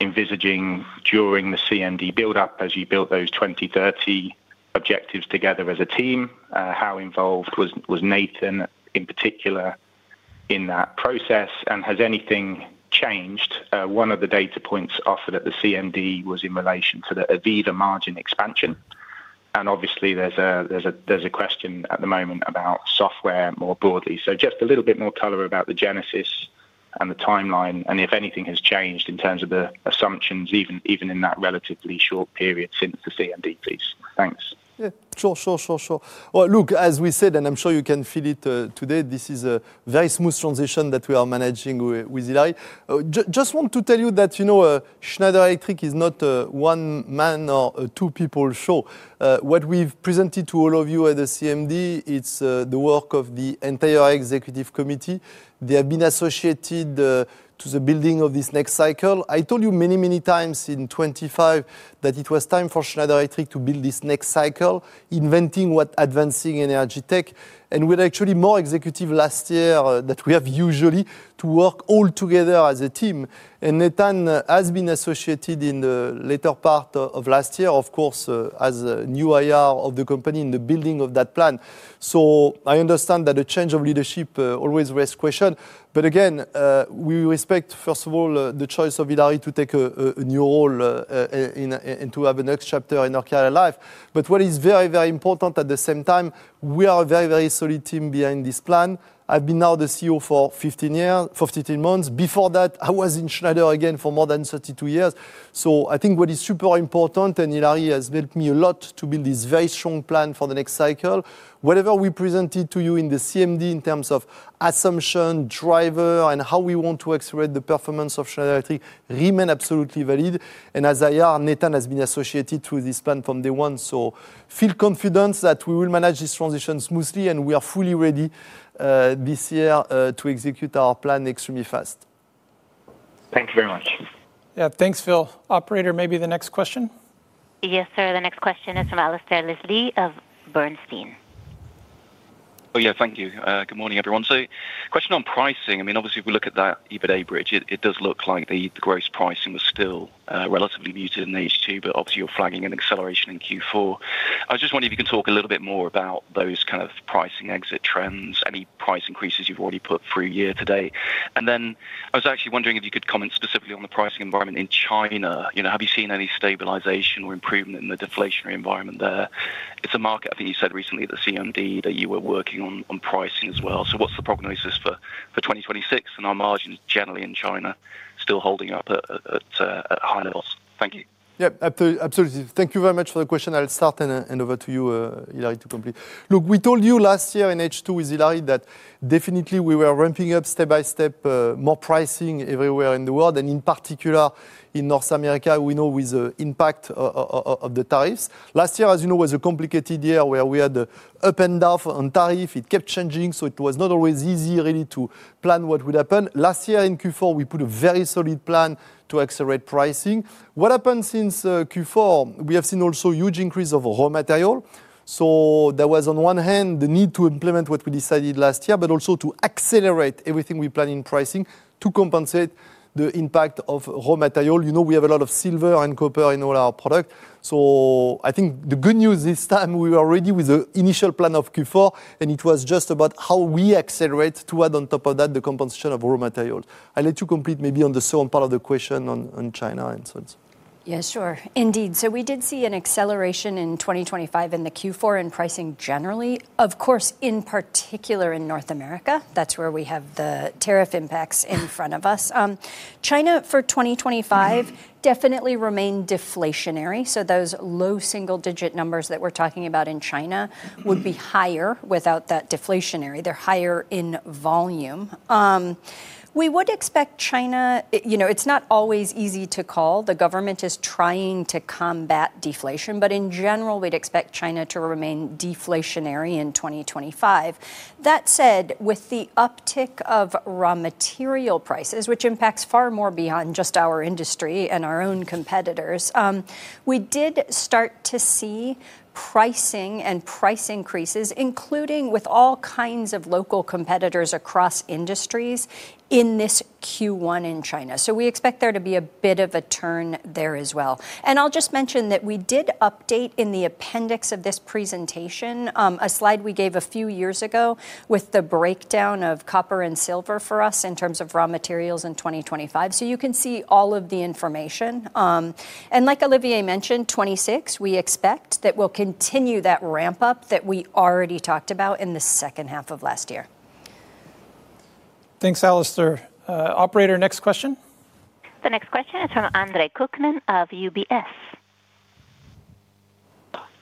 envisaging during the CMD buildup as you built those 2030 objectives together as a team? How involved was Nathan, in particular, in that process, and has anything changed? One of the data points offered at the CMD was in relation to the AVEVA margin expansion. Obviously, there's a question at the moment about software more broadly. Just a little bit more color about the genesis and the timeline, and if anything has changed in terms of the assumptions, even in that relatively short period since the CMD, please. Thanks. Yeah, sure, sure. Well, look, as we said, and I'm sure you can feel it, today, this is a very smooth transition that we are managing with Hilary. Just want to tell you that, you know, Schneider Electric is not a one-man or a two-people show. What we've presented to all of you at the CMD, it's the work of the entire executive committee. They have been associated to the building of this next cycle. I told you many, many times in 2025 that it was time for Schneider Electric to build this next cycle, inventing what advancing in energy tech, and with actually more executive last year, that we have usually to work all together as a team. Nathan has been associated in the later part of last year, of course, as a new IR of the company in the building of that plan. I understand that a change of leadership always raise question. Again, we respect, first of all, the choice of Hilary to take a new role and to have a next chapter in her career life. What is very, very important at the same time, we are a very, very solid team behind this plan. I've been now the CEO for 15 months. Before that, I was in Schneider again for more than 32 years. I think what is super important, and Hilary has helped me a lot to build this very strong plan for the next cycle. Whatever we presented to you in the CMD in terms of assumption, driver, and how we want to accelerate the performance of Schneider Electric, remain absolutely valid. As IR, Nathan has been associated to this plan from day one. Feel confident that we will manage this transition smoothly, and we are fully ready, this year, to execute our plan extremely fast. Thank you very much. Yeah, thanks, Phil. Operator, maybe the next question? Yes, sir. The next question is from Alasdair Leslie of Bernstein. Yeah, thank you. Good morning, everyone. Question on pricing. I mean, obviously, if we look at that EBITDA bridge, it does look like the gross pricing was still relatively muted in H2, but obviously, you're flagging an acceleration in Q4. I was just wondering if you can talk a little bit more about those kind of pricing exit trends, any price increases you've already put through year to date. Then I was actually wondering if you could comment specifically on the pricing environment in China. You know, have you seen any stabilization or improvement in the deflationary environment there? It's a market, I think you said recently, the CMD, that you were working on pricing as well. What's the prognosis for 2026 and are margins generally in China still holding up at high levels? Thank you. Yep, absolutely. Thank you very much for the question. I'll start and over to you, Hilary, to complete. We told you last year in H2 with Hilary that definitely we were ramping up step by step, more pricing everywhere in the world, and in particular, in North America, we know with the impact of the tariffs. Last year, as you know, was a complicated year, where we had the up and down on tariff. It kept changing, so it was not always easy really to plan what would happen. Last year in Q4, we put a very solid plan to accelerate pricing. What happened since Q4, we have seen also huge increase of raw material. There was, on one hand, the need to implement what we decided last year, but also to accelerate everything we plan in pricing to compensate the impact of raw material. You know, we have a lot of silver and copper in all our product. I think the good news this time, we were ready with the initial plan of Q4, and it was just about how we accelerate to add on top of that, the compensation of raw material. I'll let you complete maybe on the second part of the question on China and so on. Yeah, sure. Indeed, we did see an acceleration in 2025 in the Q4 in pricing generally. Of course, in particular, in North America, that's where we have the tariff impacts in front of us. China, for 2025, definitely remained deflationary. Those low single-digit numbers that we're talking about in China would be higher without that deflationary. They're higher in volume. We would expect China, you know, it's not always easy to call. The government is trying to combat deflation. In general, we'd expect China to remain deflationary in 2025. That said, with the uptick of raw material prices, which impacts far more beyond just our industry and our own competitors, we did start to see pricing and price increases, including with all kinds of local competitors across industries in this Q1 in China. We expect there to be a bit of a turn there as well. I'll just mention that we did update in the appendix of this presentation, a slide we gave a few years ago with the breakdown of copper and silver for us in terms of raw materials in 2025. You can see all of the information. Like Olivier mentioned, 2026, we expect that we'll continue that ramp-up that we already talked about in the 1/2 of last year. Thanks, Alasdair. Operator, next question. The next question is from Andre Kukhnin of UBS.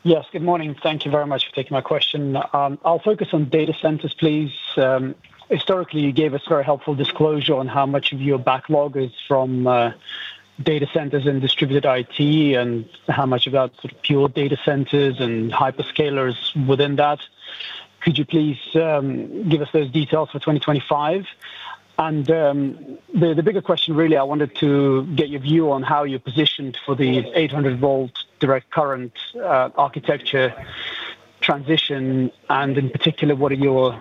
Yes, good morning. Thank you very much for taking my question. I'll focus on data centers, please. Historically, you gave us very helpful disclosure on how much of your backlog is from data centers and distributed IT, and how much about sort of pure data centers and hyperscalers within that. Could you please give us those details for 2025? The bigger question, really, I wanted to get your view on how you're positioned for the 800V DC architecture transition, and in particular, what are your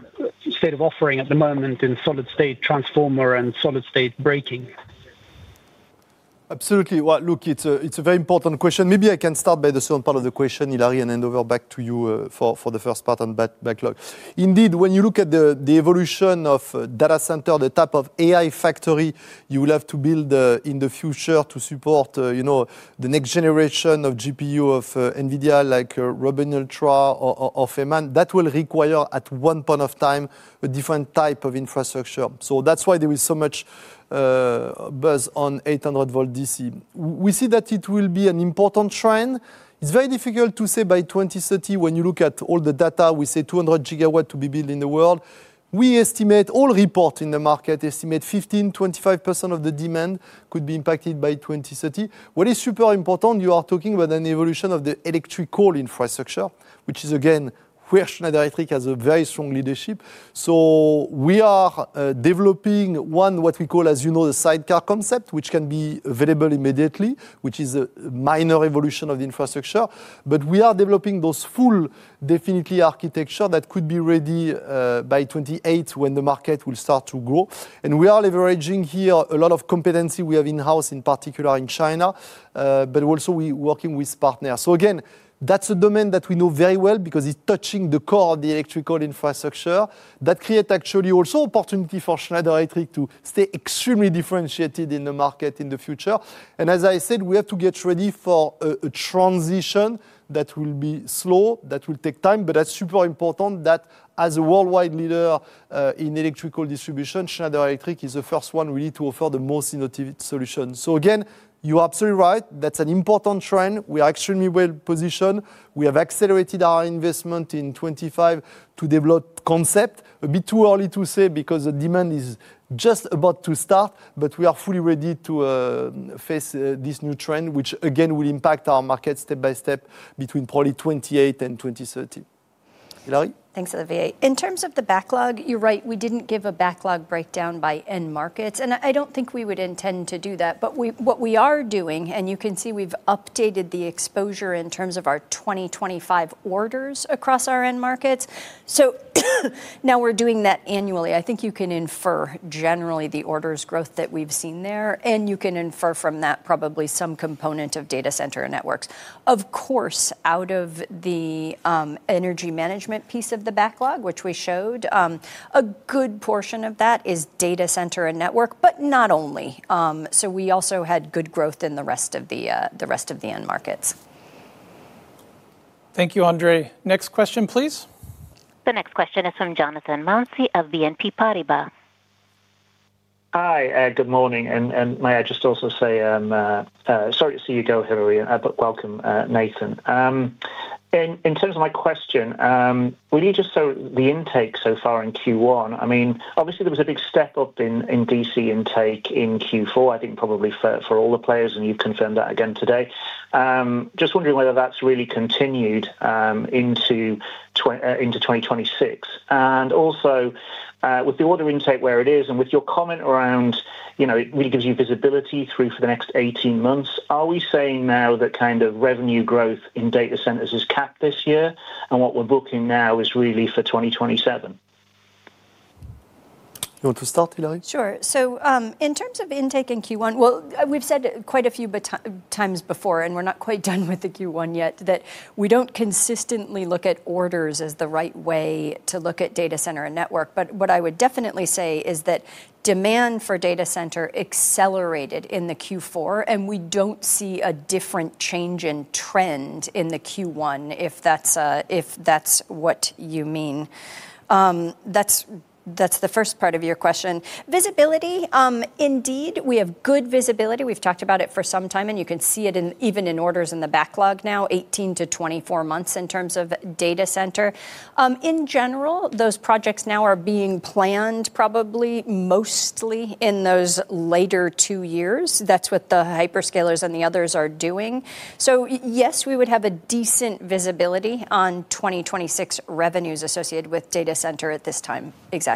state of offering at the moment in solid-state transformer and solid-state braking? Absolutely. Well, look, it's a, it's a very important question. Maybe I can start by the second part of the question, Hilary, and then over back to you for the first part on backlog. Indeed, when you look at the evolution of data center, the type of AI factory you will have to build in the future to support, you know, the next generation of GPU, of NVIDIA, like Rubin Ultra of Amen, that will require, at one point of time, a different type of infrastructure. That's why there is so much buzz on 800V DC. We see that it will be an important trend. It's very difficult to say by 2030, when you look at all the data, we say 200 GW to be built in the world. We estimate all report in the market, estimate 15%-25% of the demand could be impacted by 2030. What is super important, you are talking about an evolution of the electrical infrastructure, which is, again, where Schneider Electric has a very strong leadership. We are developing, one, what we call, as you know, the sidecar concept, which can be available immediately, which is a minor evolution of the infrastructure. We are developing those full, definitely architecture that could be ready by 2028 when the market will start to grow. We are leveraging here a lot of competency we have in-house, in particular in China, but also we working with partners. Again, that's a domain that we know very well because it's touching the core of the electrical infrastructure. That create actually also opportunity for Schneider Electric to stay extremely differentiated in the market in the future. As I said, we have to get ready for a transition that will be slow, that will take time, but that's super important that as a worldwide leader in electrical distribution, Schneider Electric is the first one really to offer the most innovative solution. Again, you are absolutely right. That's an important trend. We are extremely well positioned. We have accelerated our investment in 2025 to develop concept. A bit too early to say because the demand is just about to start, but we are fully ready to face this new trend, which again, will impact our market step by step between probably 2028 and 2030. Hilary? Thanks, Olivier. In terms of the backlog, you're right, we didn't give a backlog breakdown by end markets, I don't think we would intend to do that. What we are doing, and you can see we've updated the exposure in terms of our 2025 orders across our end markets. Now we're doing that annually. I think you can infer generally the orders growth that we've seen there, and you can infer from that probably some component of data center and networks. Of course, out of the energy management piece of the backlog, which we showed, a good portion of that is data center and network, but not only. We also had good growth in the rest of the rest of the end markets. Thank you, Andre. Next question, please. The next question is from Jonathan Mounsey of BNP Paribas. Hi, good morning, and may I just also say, sorry to see you go, Hilary, but welcome, Nathan. In terms of my question, will you just the intake so far in Q1, I mean, obviously there was a big step up in DC intake in Q4, I think probably for all the players, and you've confirmed that again today. Just wondering whether that's really continued into 2026. Also, with the order intake where it is and with your comment around, you know, it really gives you visibility through for the next 18 months, are we saying now that kind of revenue growth in data centers is capped this year, and what we're booking now is really for 2027? You want to start, Hilary? Sure. In terms of intake in Q1, well, we've said quite a few times before, and we're not quite done with the Q1 yet, that we don't consistently look at orders as the right way to look at data center and network. What I would definitely say is that demand for data center accelerated in the Q4, and we don't see a different change in trend in the Q1, if that's, if that's what you mean. That's, that's the first part of your question. Visibility, indeed, we have good visibility. We've talked about it for some time, and you can see it even in orders in the backlog now, 18-24 months in terms of data center. In general, those projects now are being planned, probably mostly in those later two years. That's what the hyperscalers and the others are doing. Yes, we would have a decent visibility on 2026 revenues associated with data center at this time. Exactly.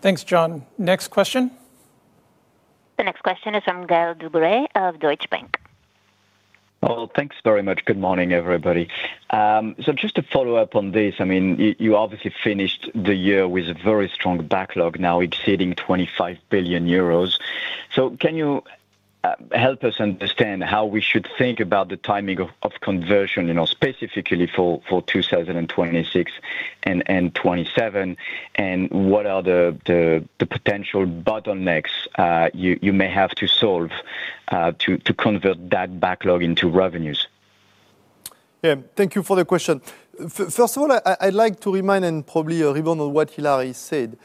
Thanks, Jon. Next question. The next question is from Gael de-Bray of Deutsche Bank. Oh, thanks very much. Good morning, everybody. So just to follow up on this, I mean, you obviously finished the year with a very strong backlog, now exceeding 25 billion euros. Can you help us understand how we should think about the timing of conversion, you know, specifically for 2026 and 2027, and what are the potential bottlenecks you may have to solve to convert that backlog into revenues? Yeah, thank you for the question. First of all, I'd like to remind and probably reborn on what Hilary said.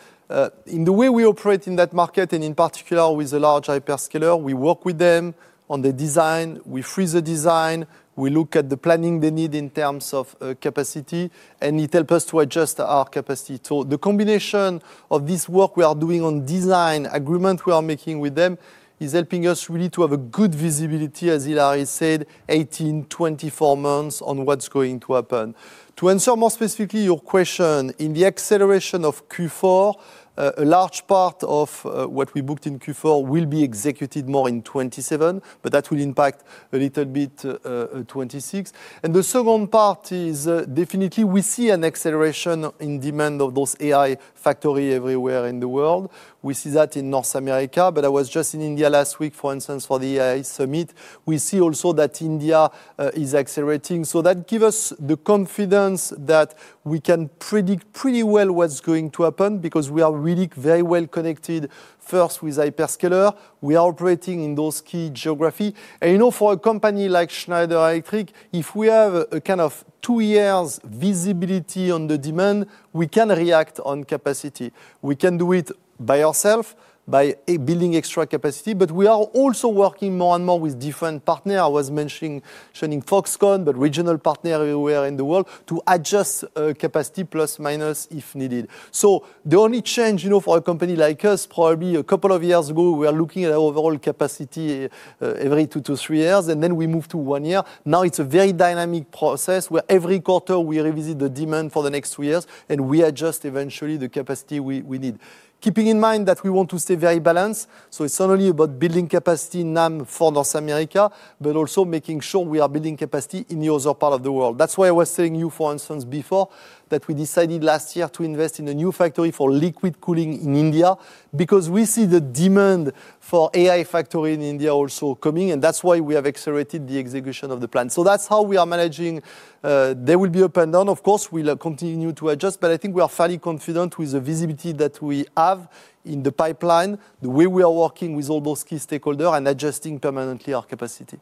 In the way we operate in that market, and in particular with the large hyperscaler, we work with them on the design, we freeze the design, we look at the planning they need in terms of capacity, and it help us to adjust our capacity. The combination of this work we are doing on design agreement we are making with them is helping us really to have a good visibility, as Hilary said, 18-24 months on what's going to happen. To answer more specifically your question, in the acceleration of Q4, a large part of what we booked in Q4 will be executed more in 2027, but that will impact a little bit 2026. The second part is definitely we see an acceleration in demand of those AI factory everywhere in the world. We see that in North America, but I was just in India last week, for instance, for the AI summit. We see also that India is accelerating. That give us the confidence that we can predict pretty well what's going to happen because we are really very well connected, first, with hyperscaler. We are operating in those key geography. You know, for a company like Schneider Electric, if we have a kind of two years visibility on the demand, we can react on capacity. We can do it by ourself, by building extra capacity, but we are also working more and more with different partner. I was mentioning Foxconn, but regional partner everywhere in the world to adjust capacity plus, minus, if needed. The only change, you know, for a company like us, probably a couple of years ago, we are looking at overall capacity every two to three years, and then we move to one year. It's a very dynamic process, where every quarter we revisit the demand for the next two years, and we adjust eventually the capacity we need. Keeping in mind that we want to stay very balanced, so it's not only about building capacity now for North America, but also making sure we are building capacity in the other part of the world. That's why I was telling you, for instance, before, that we decided last year to invest in a new factory for Liquid Cooling in India, because we see the demand for AI factory in India also coming, and that's why we have accelerated the execution of the plan. That's how we are managing. There will be up and down, of course, we'll continue to adjust, but I think we are fairly confident with the visibility that we have in the pipeline, the way we are working with all those key stakeholders and adjusting permanently our capacity.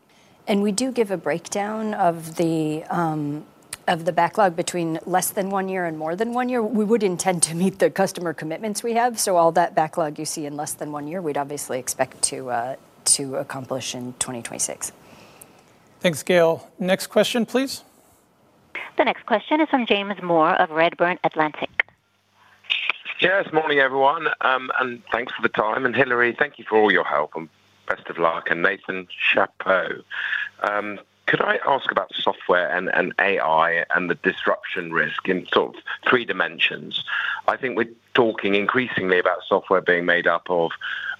We do give a breakdown of the of the backlog between less than one year and more than one year. We would intend to meet the customer commitments we have. All that backlog you see in less than one year, we'd obviously expect to to accomplish in 2026. Thanks, Gael. Next question, please. The next question is from James Moore of Redburn Atlantic. Yeah, good morning, everyone, and thanks for the time. Hilary, thank you for all your help, and best of luck, and Nathan, chapeau. Could I ask about software and AI and the disruption risk in sort of three dimensions? I think we're talking increasingly about software being made up of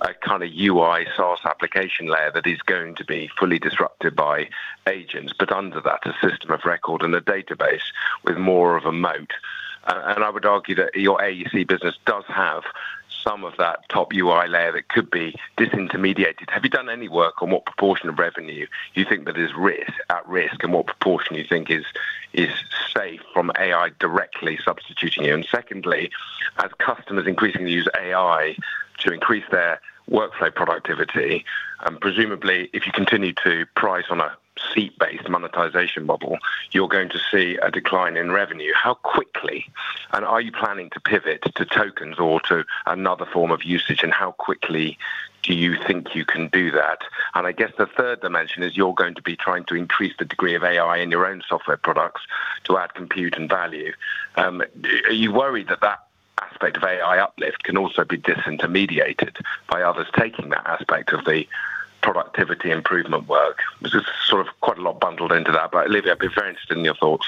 a kinda UI SaaS application layer that is going to be fully disrupted by agents, but under that, a system of record and a database with more of a moat. I would argue that your AEC business does have some of that top UI layer that could be disintermediated. Have you done any work on what proportion of revenue you think that is at risk, and what proportion you think is safe from AI directly substituting you? Secondly, as customers increasingly use AI to increase their workflow productivity, and presumably, if you continue to price on a seat-based monetization model, you're going to see a decline in revenue. How quickly, and are you planning to pivot to tokens or to another form of usage, and how quickly do you think you can do that? I guess the third dimension is you're going to be trying to increase the degree of AI in your own software products to add compute and value. Are you worried that that aspect of AI uplift can also be disintermediated by others taking that aspect of the productivity improvement work? This is sort of quite a lot bundled into that, but Olivier, I'd be very interested in your thoughts.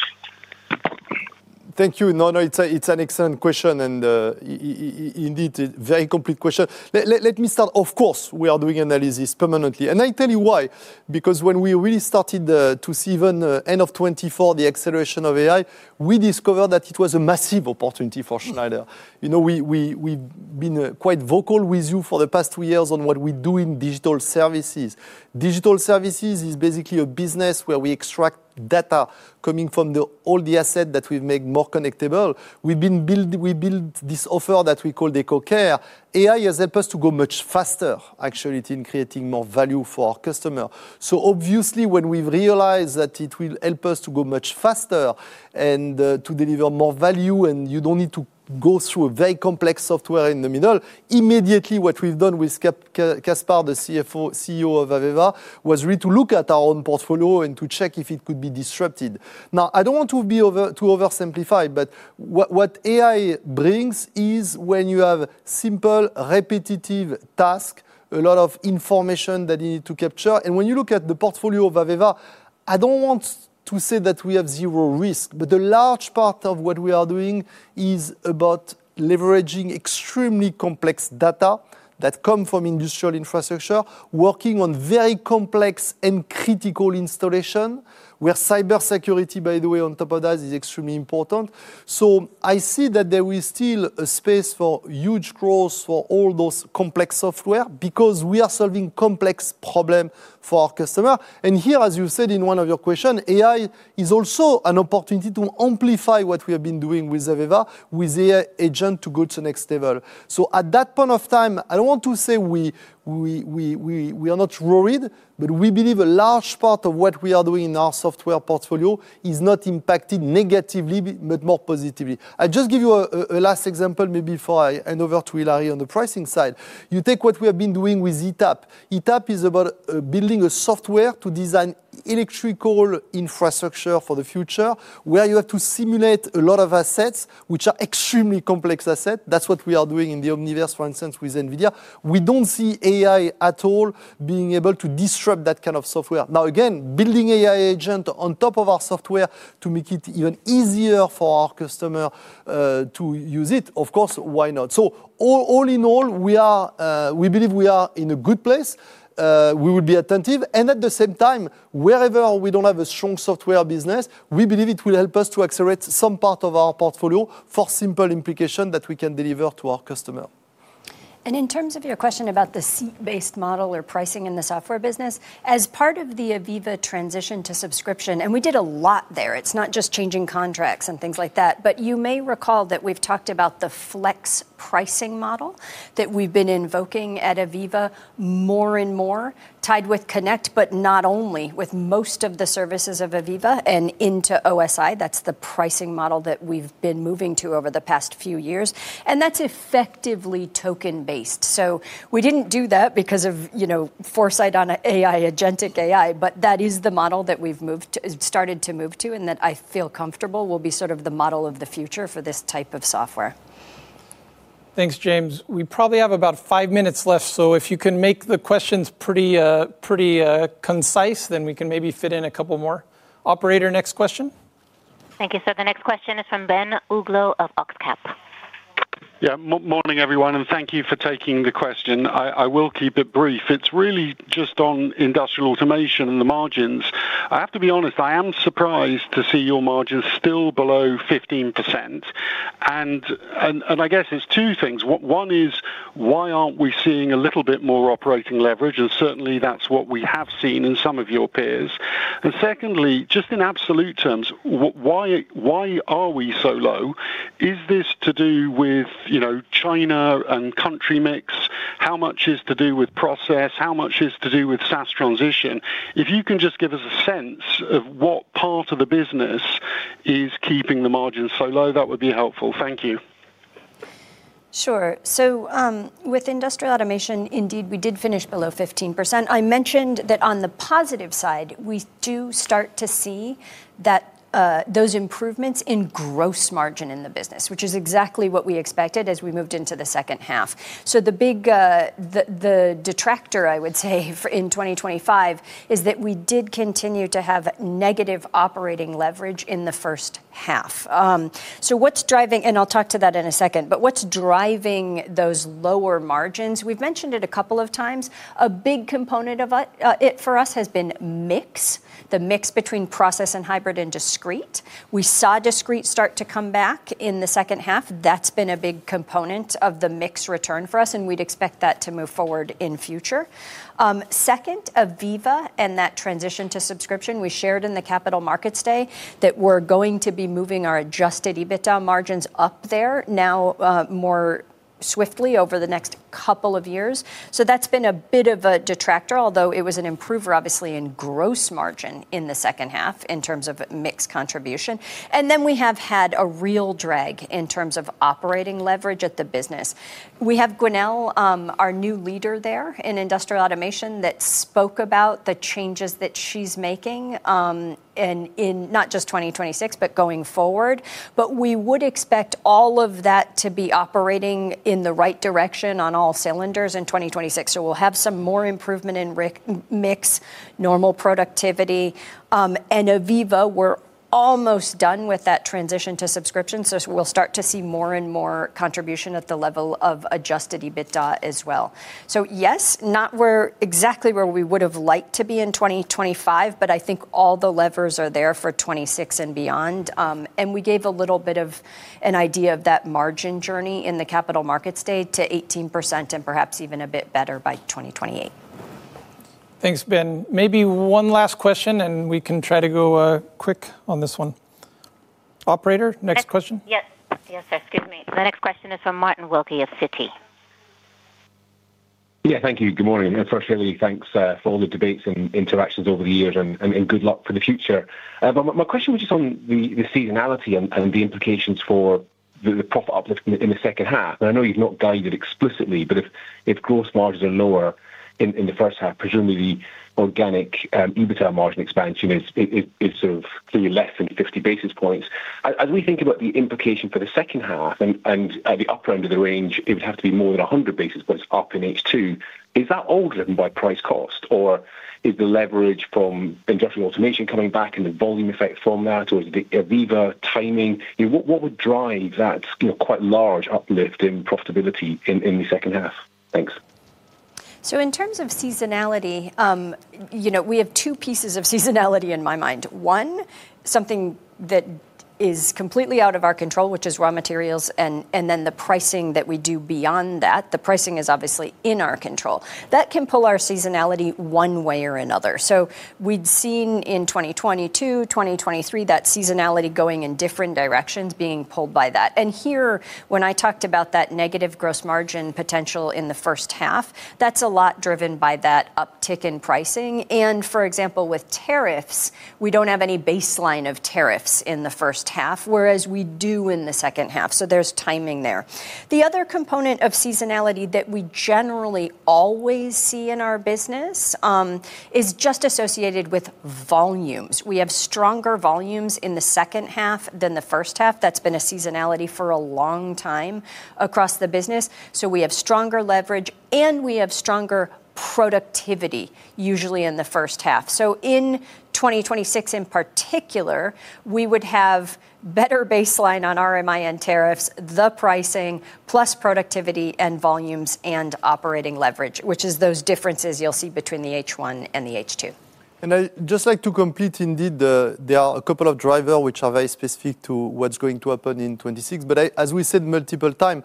Thank you. No, no, it's a, it's an excellent question, and indeed, a very complete question. Let me start. Of course, we are doing analysis permanently, and I tell you why. When we really started to see even end of 2024, the acceleration of AI, we discovered that it was a massive opportunity for Schneider. You know, we've been quite vocal with you for the past two years on what we do in digital services. Digital services is basically a business where we extract data coming from all the asset that we've made more connectable. We build this offer that we call EcoCare. AI has helped us to go much faster, actually, in creating more value for our customer. Obviously, when we've realized that it will help us to go much faster and to deliver more value, and you don't need to go through a very complex software in the middle, immediately, what we've done with Caspar, the CEO of AVEVA, was really to look at our own portfolio and to check if it could be disrupted. I don't want to oversimplify, but what AI brings is when you have simple, repetitive task, a lot of information that you need to capture. When you look at the portfolio of AVEVA, I don't want to say that we have zero risk, but a large part of what we are doing is about leveraging extremely complex data that come from industrial infrastructure, working on very complex and critical installation, where cybersecurity, by the way, on top of that, is extremely important. I see that there is still a space for huge growth for all those complex software because we are solving complex problem for our customer. Here, as you said in one of your question, AI is also an opportunity to amplify what we have been doing with AVEVA, with AI agent, to go to the next level. At that point of time, I don't want to say we are not worried, but we believe a large part of what we are doing in our software portfolio is not impacted negatively, but more positively. I just give you a last example, maybe before I hand over to Hilary on the pricing side. You take what we have been doing with ETAP. ETAP is about building a software to design electrical infrastructure for the future, where you have to simulate a lot of assets, which are extremely complex asset. That's what we are doing in the Omniverse, for instance, with NVIDIA. We don't see AI at all being able to disrupt that kind of software. Again, building AI agent on top of our software to make it even easier for our customer to use it, of course, why not? All in all, we are, we believe we are in a good place. We will be attentive, and at the same time, wherever we don't have a strong software business, we believe it will help us to accelerate some part of our portfolio for simple implication that we can deliver to our customer. In terms of your question about the seat-based model or pricing in the software business, as part of the AVEVA transition to subscription, we did a lot there, it's not just changing contracts and things like that. You may recall that we've talked about the flex pricing model that we've been invoking at AVEVA more and more, tied with CONNECT, but not only, with most of the services of AVEVA and into OSI. That's the pricing model that we've been moving to over the past few years, and that's effectively token-based. We didn't do that because of, you know, foresight on a AI, agentic AI, but that is the model that we've moved to, started to move to, and that I feel comfortable will be sort of the model of the future for this type of software. Thanks, James. We probably have about five minutes left. If you can make the questions pretty concise, we can maybe fit in a couple more. Operator, next question. Thank you, sir. The next question is from Ben Uglow of Oxcap. Morning, everyone, thank you for taking the question. I will keep it brief. It's really just on industrial automation and the margins. I have to be honest, I am surprised to see your margins still below 15%. I guess it's two things. One is, why aren't we seeing a little bit more operating leverage? Certainly, that's what we have seen in some of your peers. Secondly, just in absolute terms, why are we so low? Is this to do with, you know, China and country mix? How much is to do with process? How much is to do with SaaS transition? If you can just give us a sense of what part of the business is keeping the margins so low, that would be helpful. Thank you. Sure. With industrial automation, indeed, we did finish below 15%. I mentioned that on the positive side, we do start to see that those improvements in gross margin in the business, which is exactly what we expected as we moved into the second half. The big, the detractor, I would say, in 2025, is that we did continue to have negative operating leverage in the first half. What's driving... And I'll talk to that in a second, but what's driving those lower margins? We've mentioned it a couple of times. A big component of it for us has been mix, the mix between process and hybrid and discrete. We saw discrete start to come back in the second half. That's been a big component of the mix return for us. We'd expect that to move forward in future. Second, AVEVA and that transition to subscription, we shared in the Capital Markets Day that we're going to be moving our Adjusted EBITDA Margins up there, now, swiftly over the next two years. That's been a bit of a detractor, although it was an improver, obviously, in gross margin in the 1/2 in terms of mix contribution. We have had a real drag in terms of operating leverage at the business. We have Gwenaelle, our new leader there in Industrial Automation, that spoke about the changes that she's making in not just 2026, but going forward. We would expect all of that to be operating in the right direction on all cylinders in 2026. We'll have some more improvement in mix, normal productivity. AVEVA, we're almost done with that transition to subscription. We'll start to see more and more contribution at the level of Adjusted EBITDA as well. Yes, not exactly where we would've liked to be in 2025, but I think all the levers are there for 2026 and beyond. We gave a little bit of an idea of that margin journey in the Capital Markets Day to 18%, and perhaps even a bit better by 2028. Thanks, Ben. Maybe one last question, and we can try to go quick on this one. Operator, next question? Yes. Yes, excuse me. The next question is from Martin Wilkie of Citi. Thank you. Good morning, and firstly, thanks for all the debates and interactions over the years, and good luck for the future. My question was just on the seasonality and the implications for the profit uplift in the second half. I know you've not guided explicitly, but if gross margins are lower in the first half, presumably organic EBITDA margin expansion is clearly less than 50 basis points. As we think about the implication for the second half, and at the upper end of the range, it would have to be more than 100 basis points up in H2. Is that all driven by price cost, or is the leverage from Industrial Automation coming back and the volume effect from that, or is it AVEVA timing? You know, what would drive that, you know, quite large uplift in profitability in the second half? Thanks. In terms of seasonality, you know, we have two pieces of seasonality in my mind. One, something that is completely out of our control, which is raw materials, and then the pricing that we do beyond that. The pricing is obviously in our control. That can pull our seasonality one way or another. We'd seen in 2022, 2023, that seasonality going in different directions being pulled by that. Here, when I talked about that negative gross margin potential in the first half, that's a lot driven by that uptick in pricing. For example, with tariffs, we don't have any baseline of tariffs in the first half, whereas we do in the second half, so there's timing there. The other component of seasonality that we generally always see in our business, is just associated with volumes. We have stronger volumes in the second half than the first half. That's been a seasonality for a long time across the business. We have stronger leverage, and we have stronger productivity, usually in the first half. In 2026 in particular, we would have better baseline on RMIN tariffs, the pricing, plus productivity and volumes and operating leverage, which is those differences you'll see between the H1 and the H2. I'd just like to complete, indeed, there are a couple of driver which are very specific to what's going to happen in 2026. As we said multiple time,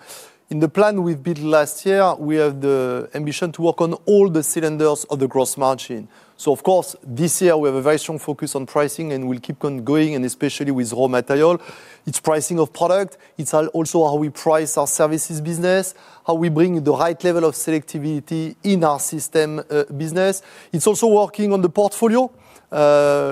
in the plan we built last year, we have the ambition to work on all the cylinders of the gross margin. Of course, this year we have a very strong focus on pricing, and we'll keep on going, and especially with raw material. It's pricing of product. It's also how we price our services business, how we bring the right level of selectivity in our system business. It's also working on the portfolio.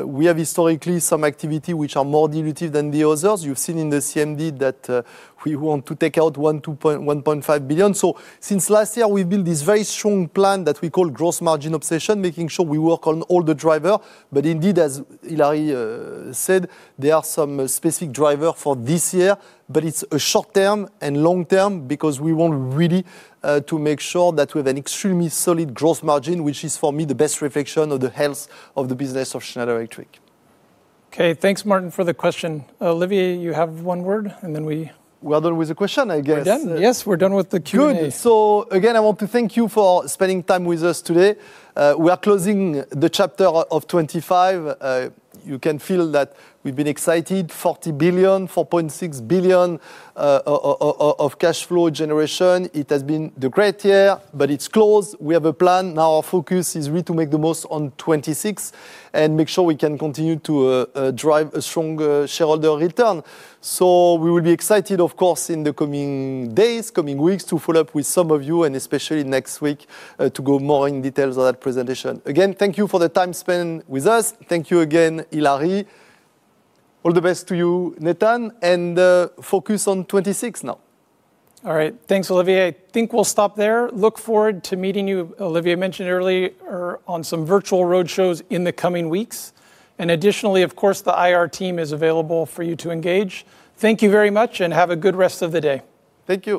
We have historically some activity which are more dilutive than the others. You've seen in the CMD that we want to take out 1.5 billion. Since last year, we've built this very strong plan that we call gross margin obsession, making sure we work on all the driver. Indeed, as Hilary said, there are some specific driver for this year, but it's a short term and long term, because we want really to make sure that we have an extremely solid gross margin, which is, for me, the best reflection of the health of the business of Schneider Electric. Okay, thanks, Martin, for the question. Olivier, you have one word, and then. We're done with the question, I guess. We're done? Yes, we're done with the Q&A. Good. Again, I want to thank you for spending time with us today. We are closing the chapter of 25. You can feel that we've been excited, 40 billion, 4.6 billion of cash flow generation. It has been the great year, but it's close. We have a plan. Our focus is really to make the most on 26 and make sure we can continue to drive a strong shareholder return. We will be excited, of course, in the coming days, coming weeks, to follow up with some of you, and especially next week, to go more in details of that presentation. Again, thank you for the time spent with us. Thank you again, Hilary . All the best to you, Nathan, and focus on 26 now. All right. Thanks, Olivier. I think we'll stop there. Look forward to meeting you, Olivier mentioned earlier, on some virtual roadshows in the coming weeks. Additionally, of course, the IR team is available for you to engage. Thank you very much, and have a good rest of the day. Thank you.